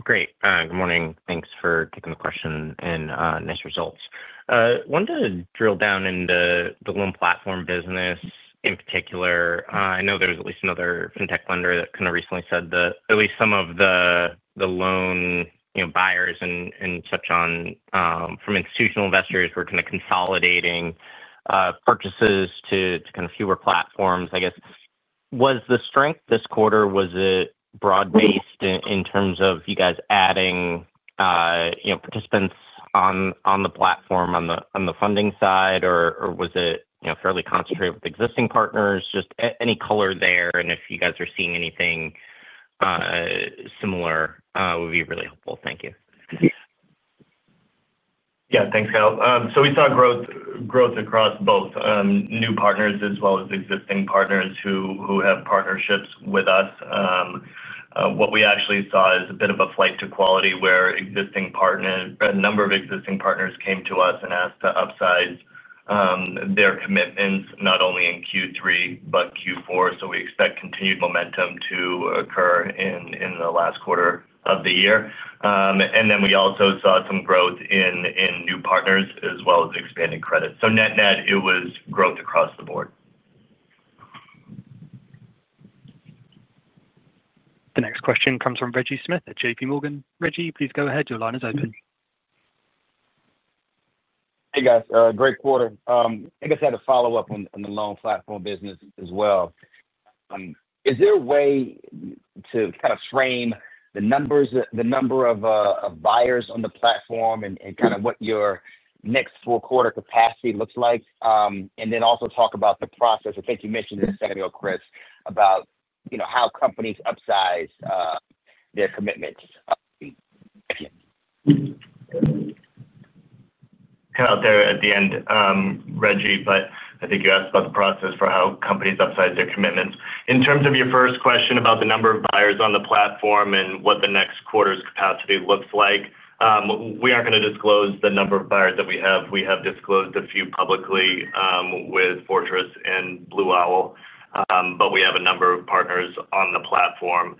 Great. Good morning. Thanks for taking the question and nice results. I want to drill down into the loan platform business in particular. I know there's at least another fintech lender that recently said that at least some of the loan buyers from institutional investors were consolidating purchases to fewer platforms. Was the strength this quarter broad-based in terms of you guys adding participants on the platform on the funding side, or was it fairly concentrated with existing partners? Any color there, and if you guys are seeing anything similar, it would be really helpful. Thank you. Thanks, Kyle. We saw growth across both new partners as well as existing partners who have partnerships with us. What we actually saw is a bit of a flight to quality where a number of existing partners came to us and asked to upsize their commitments not only in Q3, but Q4. We expect continued momentum to occur in the last quarter of the year. We also saw some growth in new partners as well as expanding credit. Net-net, it was growth across the board. The next question comes from Reggie Smith at JPMorgan. Reggie, please go ahead. Your line is open. Hey, guys. Great quarter. I guess I had a follow-up on the loan platform business as well. Is there a way to kind of frame the numbers, the number of buyers on the platform, and kind of what your next four-quarter capacity looks like? Also, talk about the process. I think you mentioned this a second ago, Chris, about how companies upsize their commitments. Kind of out there at the end, Reggie, but I think you asked about the process for how companies upsize their commitments. In terms of your first question about the number of buyers on the platform and what the next quarter's capacity looks like, we aren't going to disclose the number of buyers that we have. We have disclosed a few publicly with Fortress and Blue Owl, but we have a number of partners on the platform.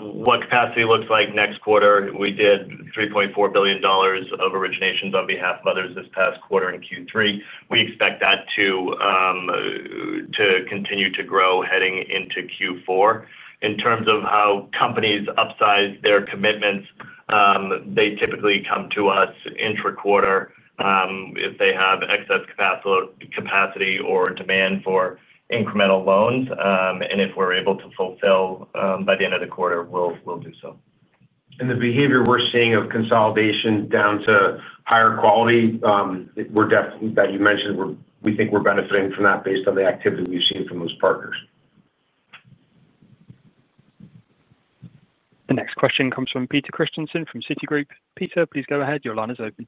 What capacity looks like next quarter, we did $3.4 billion of originations on behalf of others this past quarter in Q3. We expect that to continue to grow heading into Q4. In terms of how companies upsize their commitments, they typically come to us intra-quarter if they have excess capacity or demand for incremental loans. If we're able to fulfill by the end of the quarter, we'll do so. The behavior we're seeing of consolidation down to higher quality, we're definitely, as you mentioned, we think we're benefiting from that based on the activity we've seen from those partners. The next question comes from Peter Christiansen from Citigroup. Peter, please go ahead. Your line is open.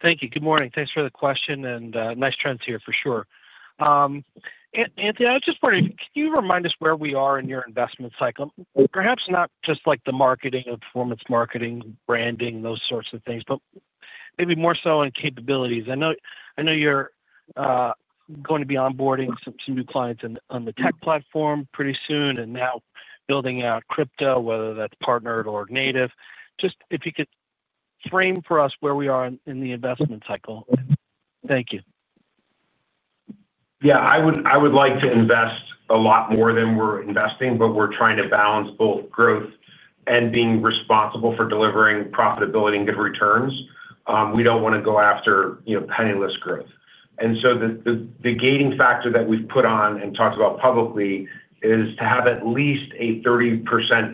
Thank you. Good morning. Thanks for the question and nice trends here for sure. Anthony, I was just wondering, can you remind us where we are in your investment cycle? Perhaps not just like the marketing and performance marketing, branding, those sorts of things, but maybe more so in capabilities. I know you're going to be onboarding some new clients on the tech platform pretty soon and now building out crypto, whether that's partnered or native. If you could frame for us where we are in the investment cycle. Thank you. Yeah. I would like to invest a lot more than we're investing, but we're trying to balance both growth and being responsible for delivering profitability and good returns. We don't want to go after, you know, penniless growth. The gating factor that we've put on and talked about publicly is to have at least a 30%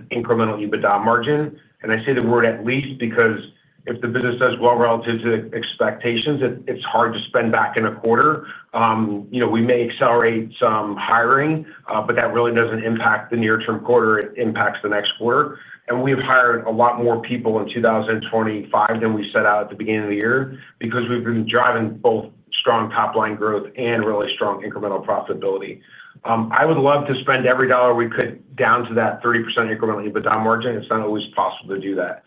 Incremental EBITDA margin. I say the word at least because if the business does well relative to expectations, it's hard to spend back in a quarter. We may accelerate some hiring, but that really doesn't impact the near-term quarter. It impacts the next quarter. We've hired a lot more people in 2025 than we set out at the beginning of the year because we've been driving both strong top-line growth and really strong incremental profitability. I would love to spend every dollar we could down to that 30% Incremental EBITDA margin. It's not always possible to do that.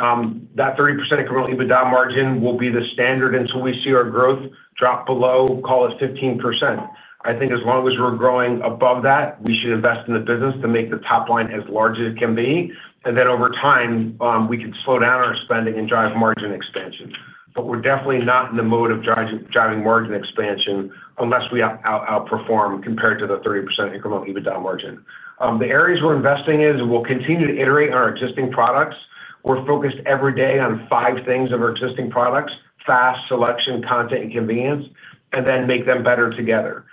That 30% Incremental EBITDA margin will be the standard until we see our growth drop below, call it 15%. I think as long as we're growing above that, we should invest in the business to make the top line as large as it can be. Over time, we can slow down our spending and drive margin expansion. We're definitely not in the mode of driving margin expansion unless we outperform compared to the 30% Incremental EBITDA margin. The areas we're investing in will continue to iterate on our existing products. We're focused every day on five things of our existing products: fast selection, content, and convenience, and then make them better together.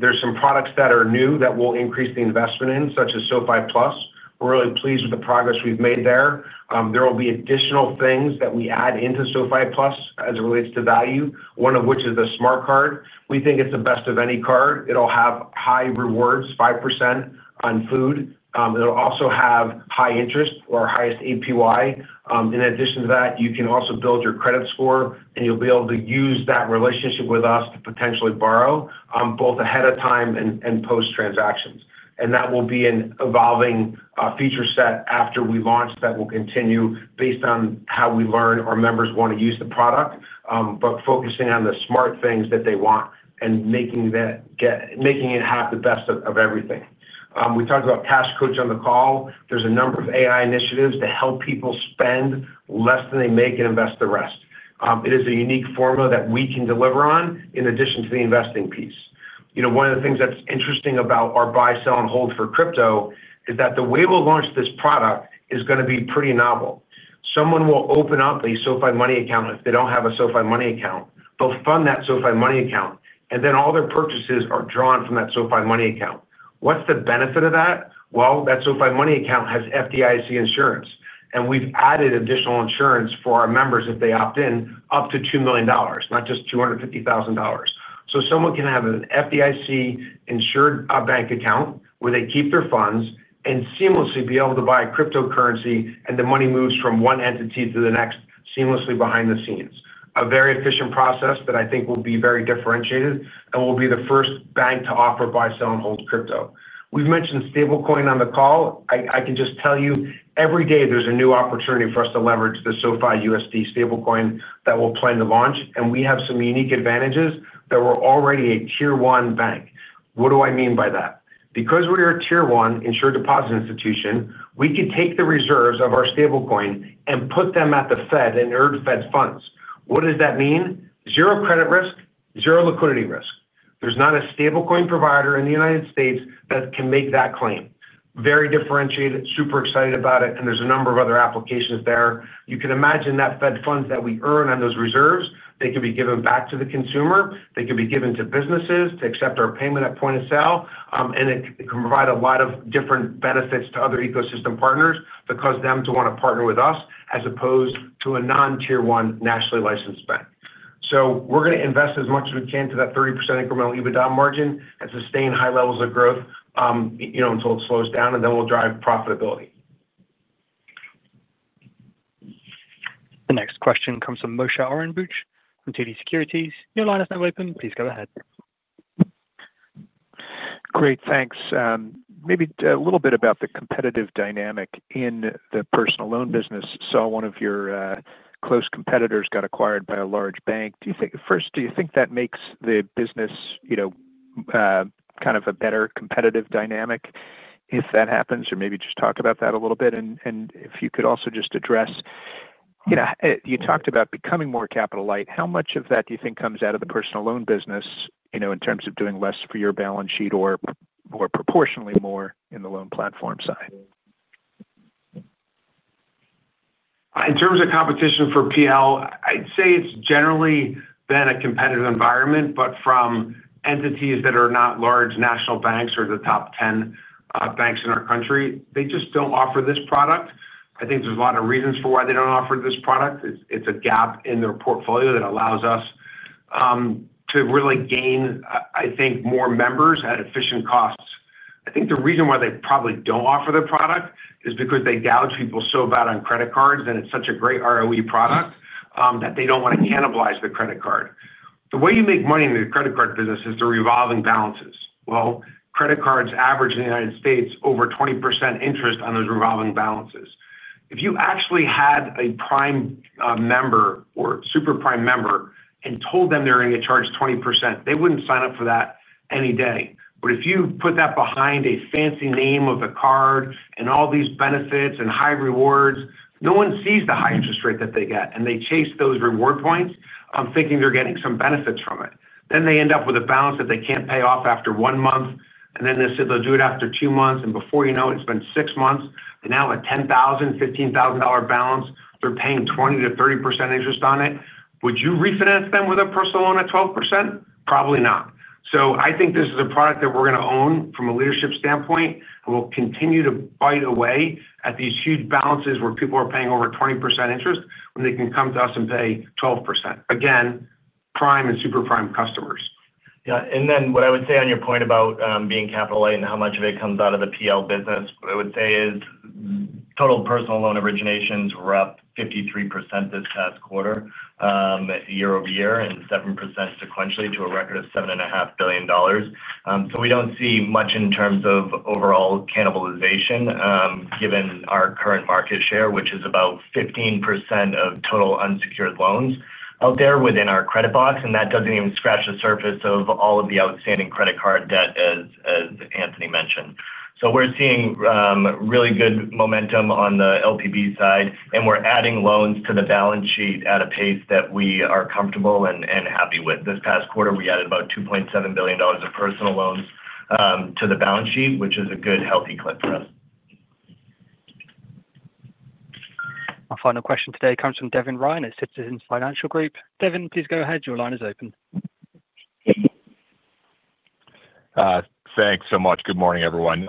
There are some products that are new that we'll increase the investment in, such as SoFi Plus. We're really pleased with the progress we've made there. There will be additional things that we add into SoFi Plus as it relates to value, one of which is the SoFi Smart Card. We think it's the best of any card. It'll have high rewards, 5% on food. It'll also have high interest or highest APY. In addition to that, you can also build your credit score, and you'll be able to use that relationship with us to potentially borrow both ahead of time and post-transactions. That will be an evolving feature set after we launch that will continue based on how we learn our members want to use the product, but focusing on the smart things that they want and making it have the best of everything. We talked about Cash Coach on the call. There's a number of AI initiatives to help people spend less than they make and invest the rest. It is a unique formula that we can deliver on in addition to the investing piece. You know, one of the things that's interesting about our buy, sell, and hold for crypto is that the way we'll launch this product is going to be pretty novel. Someone will open up a SoFi Money account if they don't have a SoFi Money account. They'll fund that SoFi Money account, and then all their purchases are drawn from that SoFi Money account. What's the benefit of that? That SoFi Money account has FDIC insurance, and we've added additional insurance for our members if they opt in up to $2 million, not just $250,000. Someone can have an FDIC-insured bank account where they keep their funds and seamlessly be able to buy cryptocurrency, and the money moves from one entity to the next seamlessly behind the scenes. A very efficient process that I think will be very differentiated and will be the first bank to offer buy, sell, and hold crypto. We've mentioned stablecoin on the call. I can just tell you every day there's a new opportunity for us to leverage the SoFi USD stablecoin that we'll plan to launch, and we have some unique advantages that we're already a tier-one bank. What do I mean by that? Because we are a tier-one insured deposit institution, we could take the reserves of our stablecoin and put them at the Fed and earn Fed funds. What does that mean? Zero credit risk, zero liquidity risk. There's not a stablecoin provider in the U.S. that can make that claim. Very differentiated, super excited about it, and there's a number of other applications there. You can imagine that Fed funds that we earn on those reserves, they could be given back to the consumer, they could be given to businesses to accept our payment at point of sale, and it can provide a lot of different benefits to other ecosystem partners that cause them to want to partner with us as opposed to a non-tier-one nationally licensed bank. We're going to invest as much as we can to that 30% Incremental EBITDA margin and sustain high levels of growth until it slows down, and then we'll drive profitability. The next question comes from Moshe Orenbuch from TD Securities. Your line is now open. Please go ahead. Great, thanks. Maybe a little bit about the competitive dynamic in the personal loan business. Saw one of your close competitors got acquired by a large bank. Do you think that makes the business, you know, kind of a better competitive dynamic if that happens, or maybe just talk about that a little bit? If you could also just address, you know, you talked about becoming more capital-light. How much of that do you think comes out of the personal loan business, you know, in terms of doing less for your balance sheet or more proportionately more in the loan platform side? In terms of competition for PL, I'd say it's generally been a competitive environment, but from entities that are not large national banks or the top 10 banks in our country, they just don't offer this product. I think there's a lot of reasons for why they don't offer this product. It's a gap in their portfolio that allows us to really gain, I think, more members at efficient costs. I think the reason why they probably don't offer their product is because they gouge people so bad on credit cards, and it's such a great ROE product that they don't want to cannibalize the credit card. The way you make money in the credit card business is through revolving balances. Credit cards average in the U.S. over 20% interest on those revolving balances. If you actually had a prime member or super prime member and told them they were going to get charged 20%, they wouldn't sign up for that any day. If you put that behind a fancy name of a card and all these benefits and high rewards, no one sees the high interest rate that they get, and they chase those reward points thinking they're getting some benefits from it. They end up with a balance that they can't pay off after one month, and they said they'll do it after two months, and before you know it, it's been six months. They now have a $10,000, $15,000 balance. They're paying 20%-30% interest on it. Would you refinance them with a personal loan at 12%? Probably not. I think this is a product that we're going to own from a leadership standpoint, and we'll continue to bite away at these huge balances where people are paying over 20% interest when they can come to us and pay 12%. Again, prime and super prime customers. Yeah, what I would say on your point about being capital-light and how much of it comes out of the PL business, what I would say is total personal loan originations were up 53% this past quarter, year-over-year, and 7% sequentially to a record of $7.5 billion. We don't see much in terms of overall cannibalization given our current market share, which is about 15% of total unsecured loans out there within our credit box, and that doesn't even scratch the surface of all of the outstanding credit card debt, as Anthony mentioned. We're seeing really good momentum on the LPB side, and we're adding loans to the balance sheet at a pace that we are comfortable and happy with. This past quarter, we added about $2.7 billion of personal loans to the balance sheet, which is a good, healthy clip for us. Our final question today comes from Devin Ryan at Citizens Financial Group. Devin, please go ahead. Your line is open. Thanks so much. Good morning, everyone.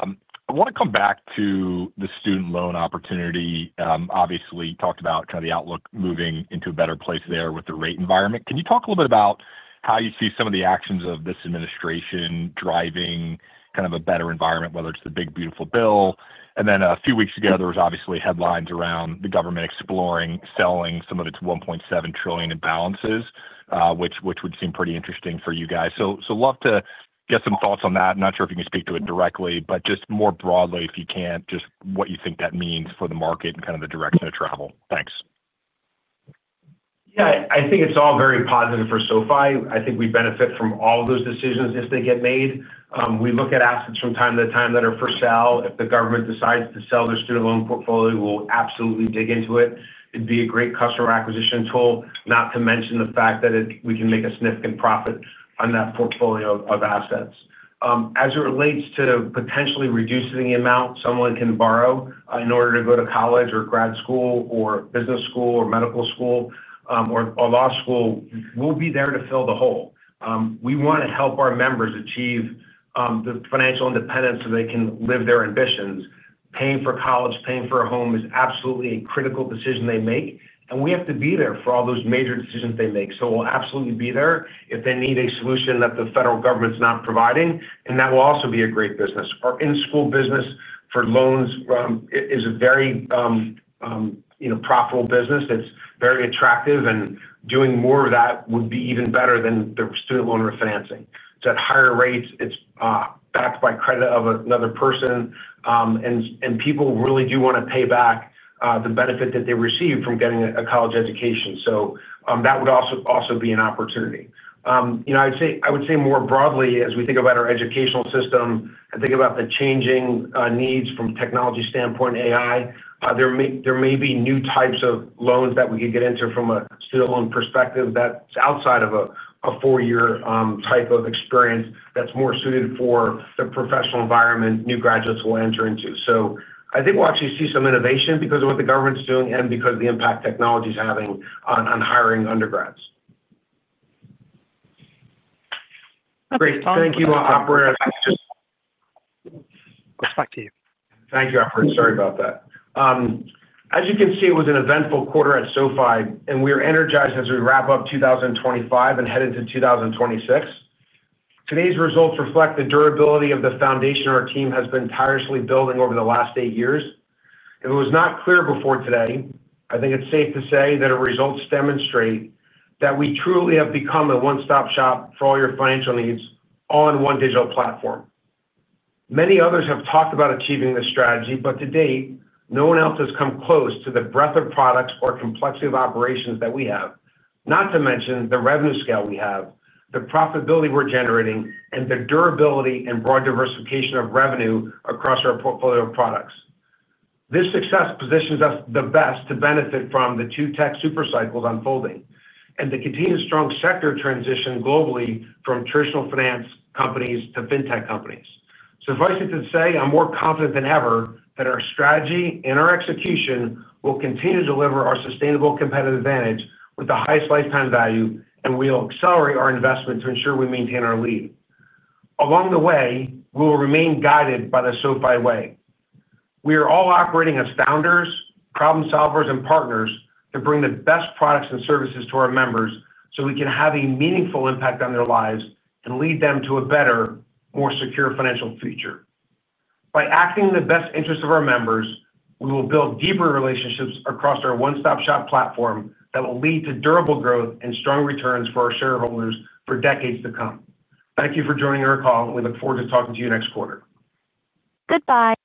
I want to come back to the student loan opportunity. Obviously, we talked about kind of the outlook moving into a better place there with the rate environment. Can you talk a little bit about how you see some of the actions of this administration driving kind of a better environment, whether it's the big beautiful bill? A few weeks ago, there were obviously headlines around the government exploring selling some of its $1.7 trillion in balances, which would seem pretty interesting for you guys. I'd love to get some thoughts on that. I'm not sure if you can speak to it directly, but just more broadly, if you can, just what you think that means for the market and kind of the direction of travel. Thanks. Yeah. I think it's all very positive for SoFi. I think we benefit from all of those decisions if they get made. We look at assets from time to time that are for sale. If the government decides to sell their student loan portfolio, we'll absolutely dig into it. It'd be a great customer acquisition tool, not to mention the fact that we can make a significant profit on that portfolio of assets. As it relates to potentially reducing the amount someone can borrow in order to go to college or grad school or business school or medical school or law school, we'll be there to fill the hole. We want to help our members achieve the financial independence so they can live their ambitions. Paying for college, paying for a home is absolutely a critical decision they make, and we have to be there for all those major decisions they make. We'll absolutely be there if they need a solution that the federal government's not providing, and that will also be a great business. Our in-school business for loans is a very profitable business. It's very attractive, and doing more of that would be even better than the student loan refinancing. It's at higher rates. It's backed by credit of another person, and people really do want to pay back the benefit that they receive from getting a college education. That would also be an opportunity. I would say more broadly, as we think about our educational system and think about the changing needs from a technology standpoint, AI, there may be new types of loans that we could get into from a student loan perspective that's outside of a four-year type of experience that's more suited for the professional environment new graduates will enter into. I think we'll actually see some innovation because of what the government's doing and because of the impact technology's having on hiring undergrads. Great. Thank you, Operator. It's back to you. Thank you, Operator. As you can see, it was an eventful quarter at SoFi, and we are energized as we wrap up 2025 and head into 2026. Today's results reflect the durability of the foundation our team has been tirelessly building over the last eight years. If it was not clear before today, I think it's safe to say that our results demonstrate that we truly have become a one-stop shop for all your financial needs all in one digital platform. Many others have talked about achieving this strategy, but to date, no one else has come close to the breadth of products or complexity of operations that we have, not to mention the revenue scale we have, the profitability we're generating, and the durability and broad diversification of revenue across our portfolio of products. This success positions us the best to benefit from the two tech supercycles unfolding and to continue the strong sector transition globally from traditional finance companies to fintech companies. Suffice it to say, I'm more confident than ever that our strategy and our execution will continue to deliver our sustainable competitive advantage with the highest lifetime value, and we'll accelerate our investment to ensure we maintain our lead. Along the way, we will remain guided by the SoFi way. We are all operating as founders, problem solvers, and partners to bring the best products and services to our members so we can have a meaningful impact on their lives and lead them to a better, more secure financial future. By acting in the best interest of our members, we will build deeper relationships across our one-stop shop platform that will lead to durable growth and strong returns for our shareholders for decades to come. Thank you for joining our call, and we look forward to talking to you next quarter. Goodbye.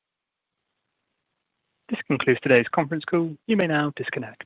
This concludes today's conference call. You may now disconnect.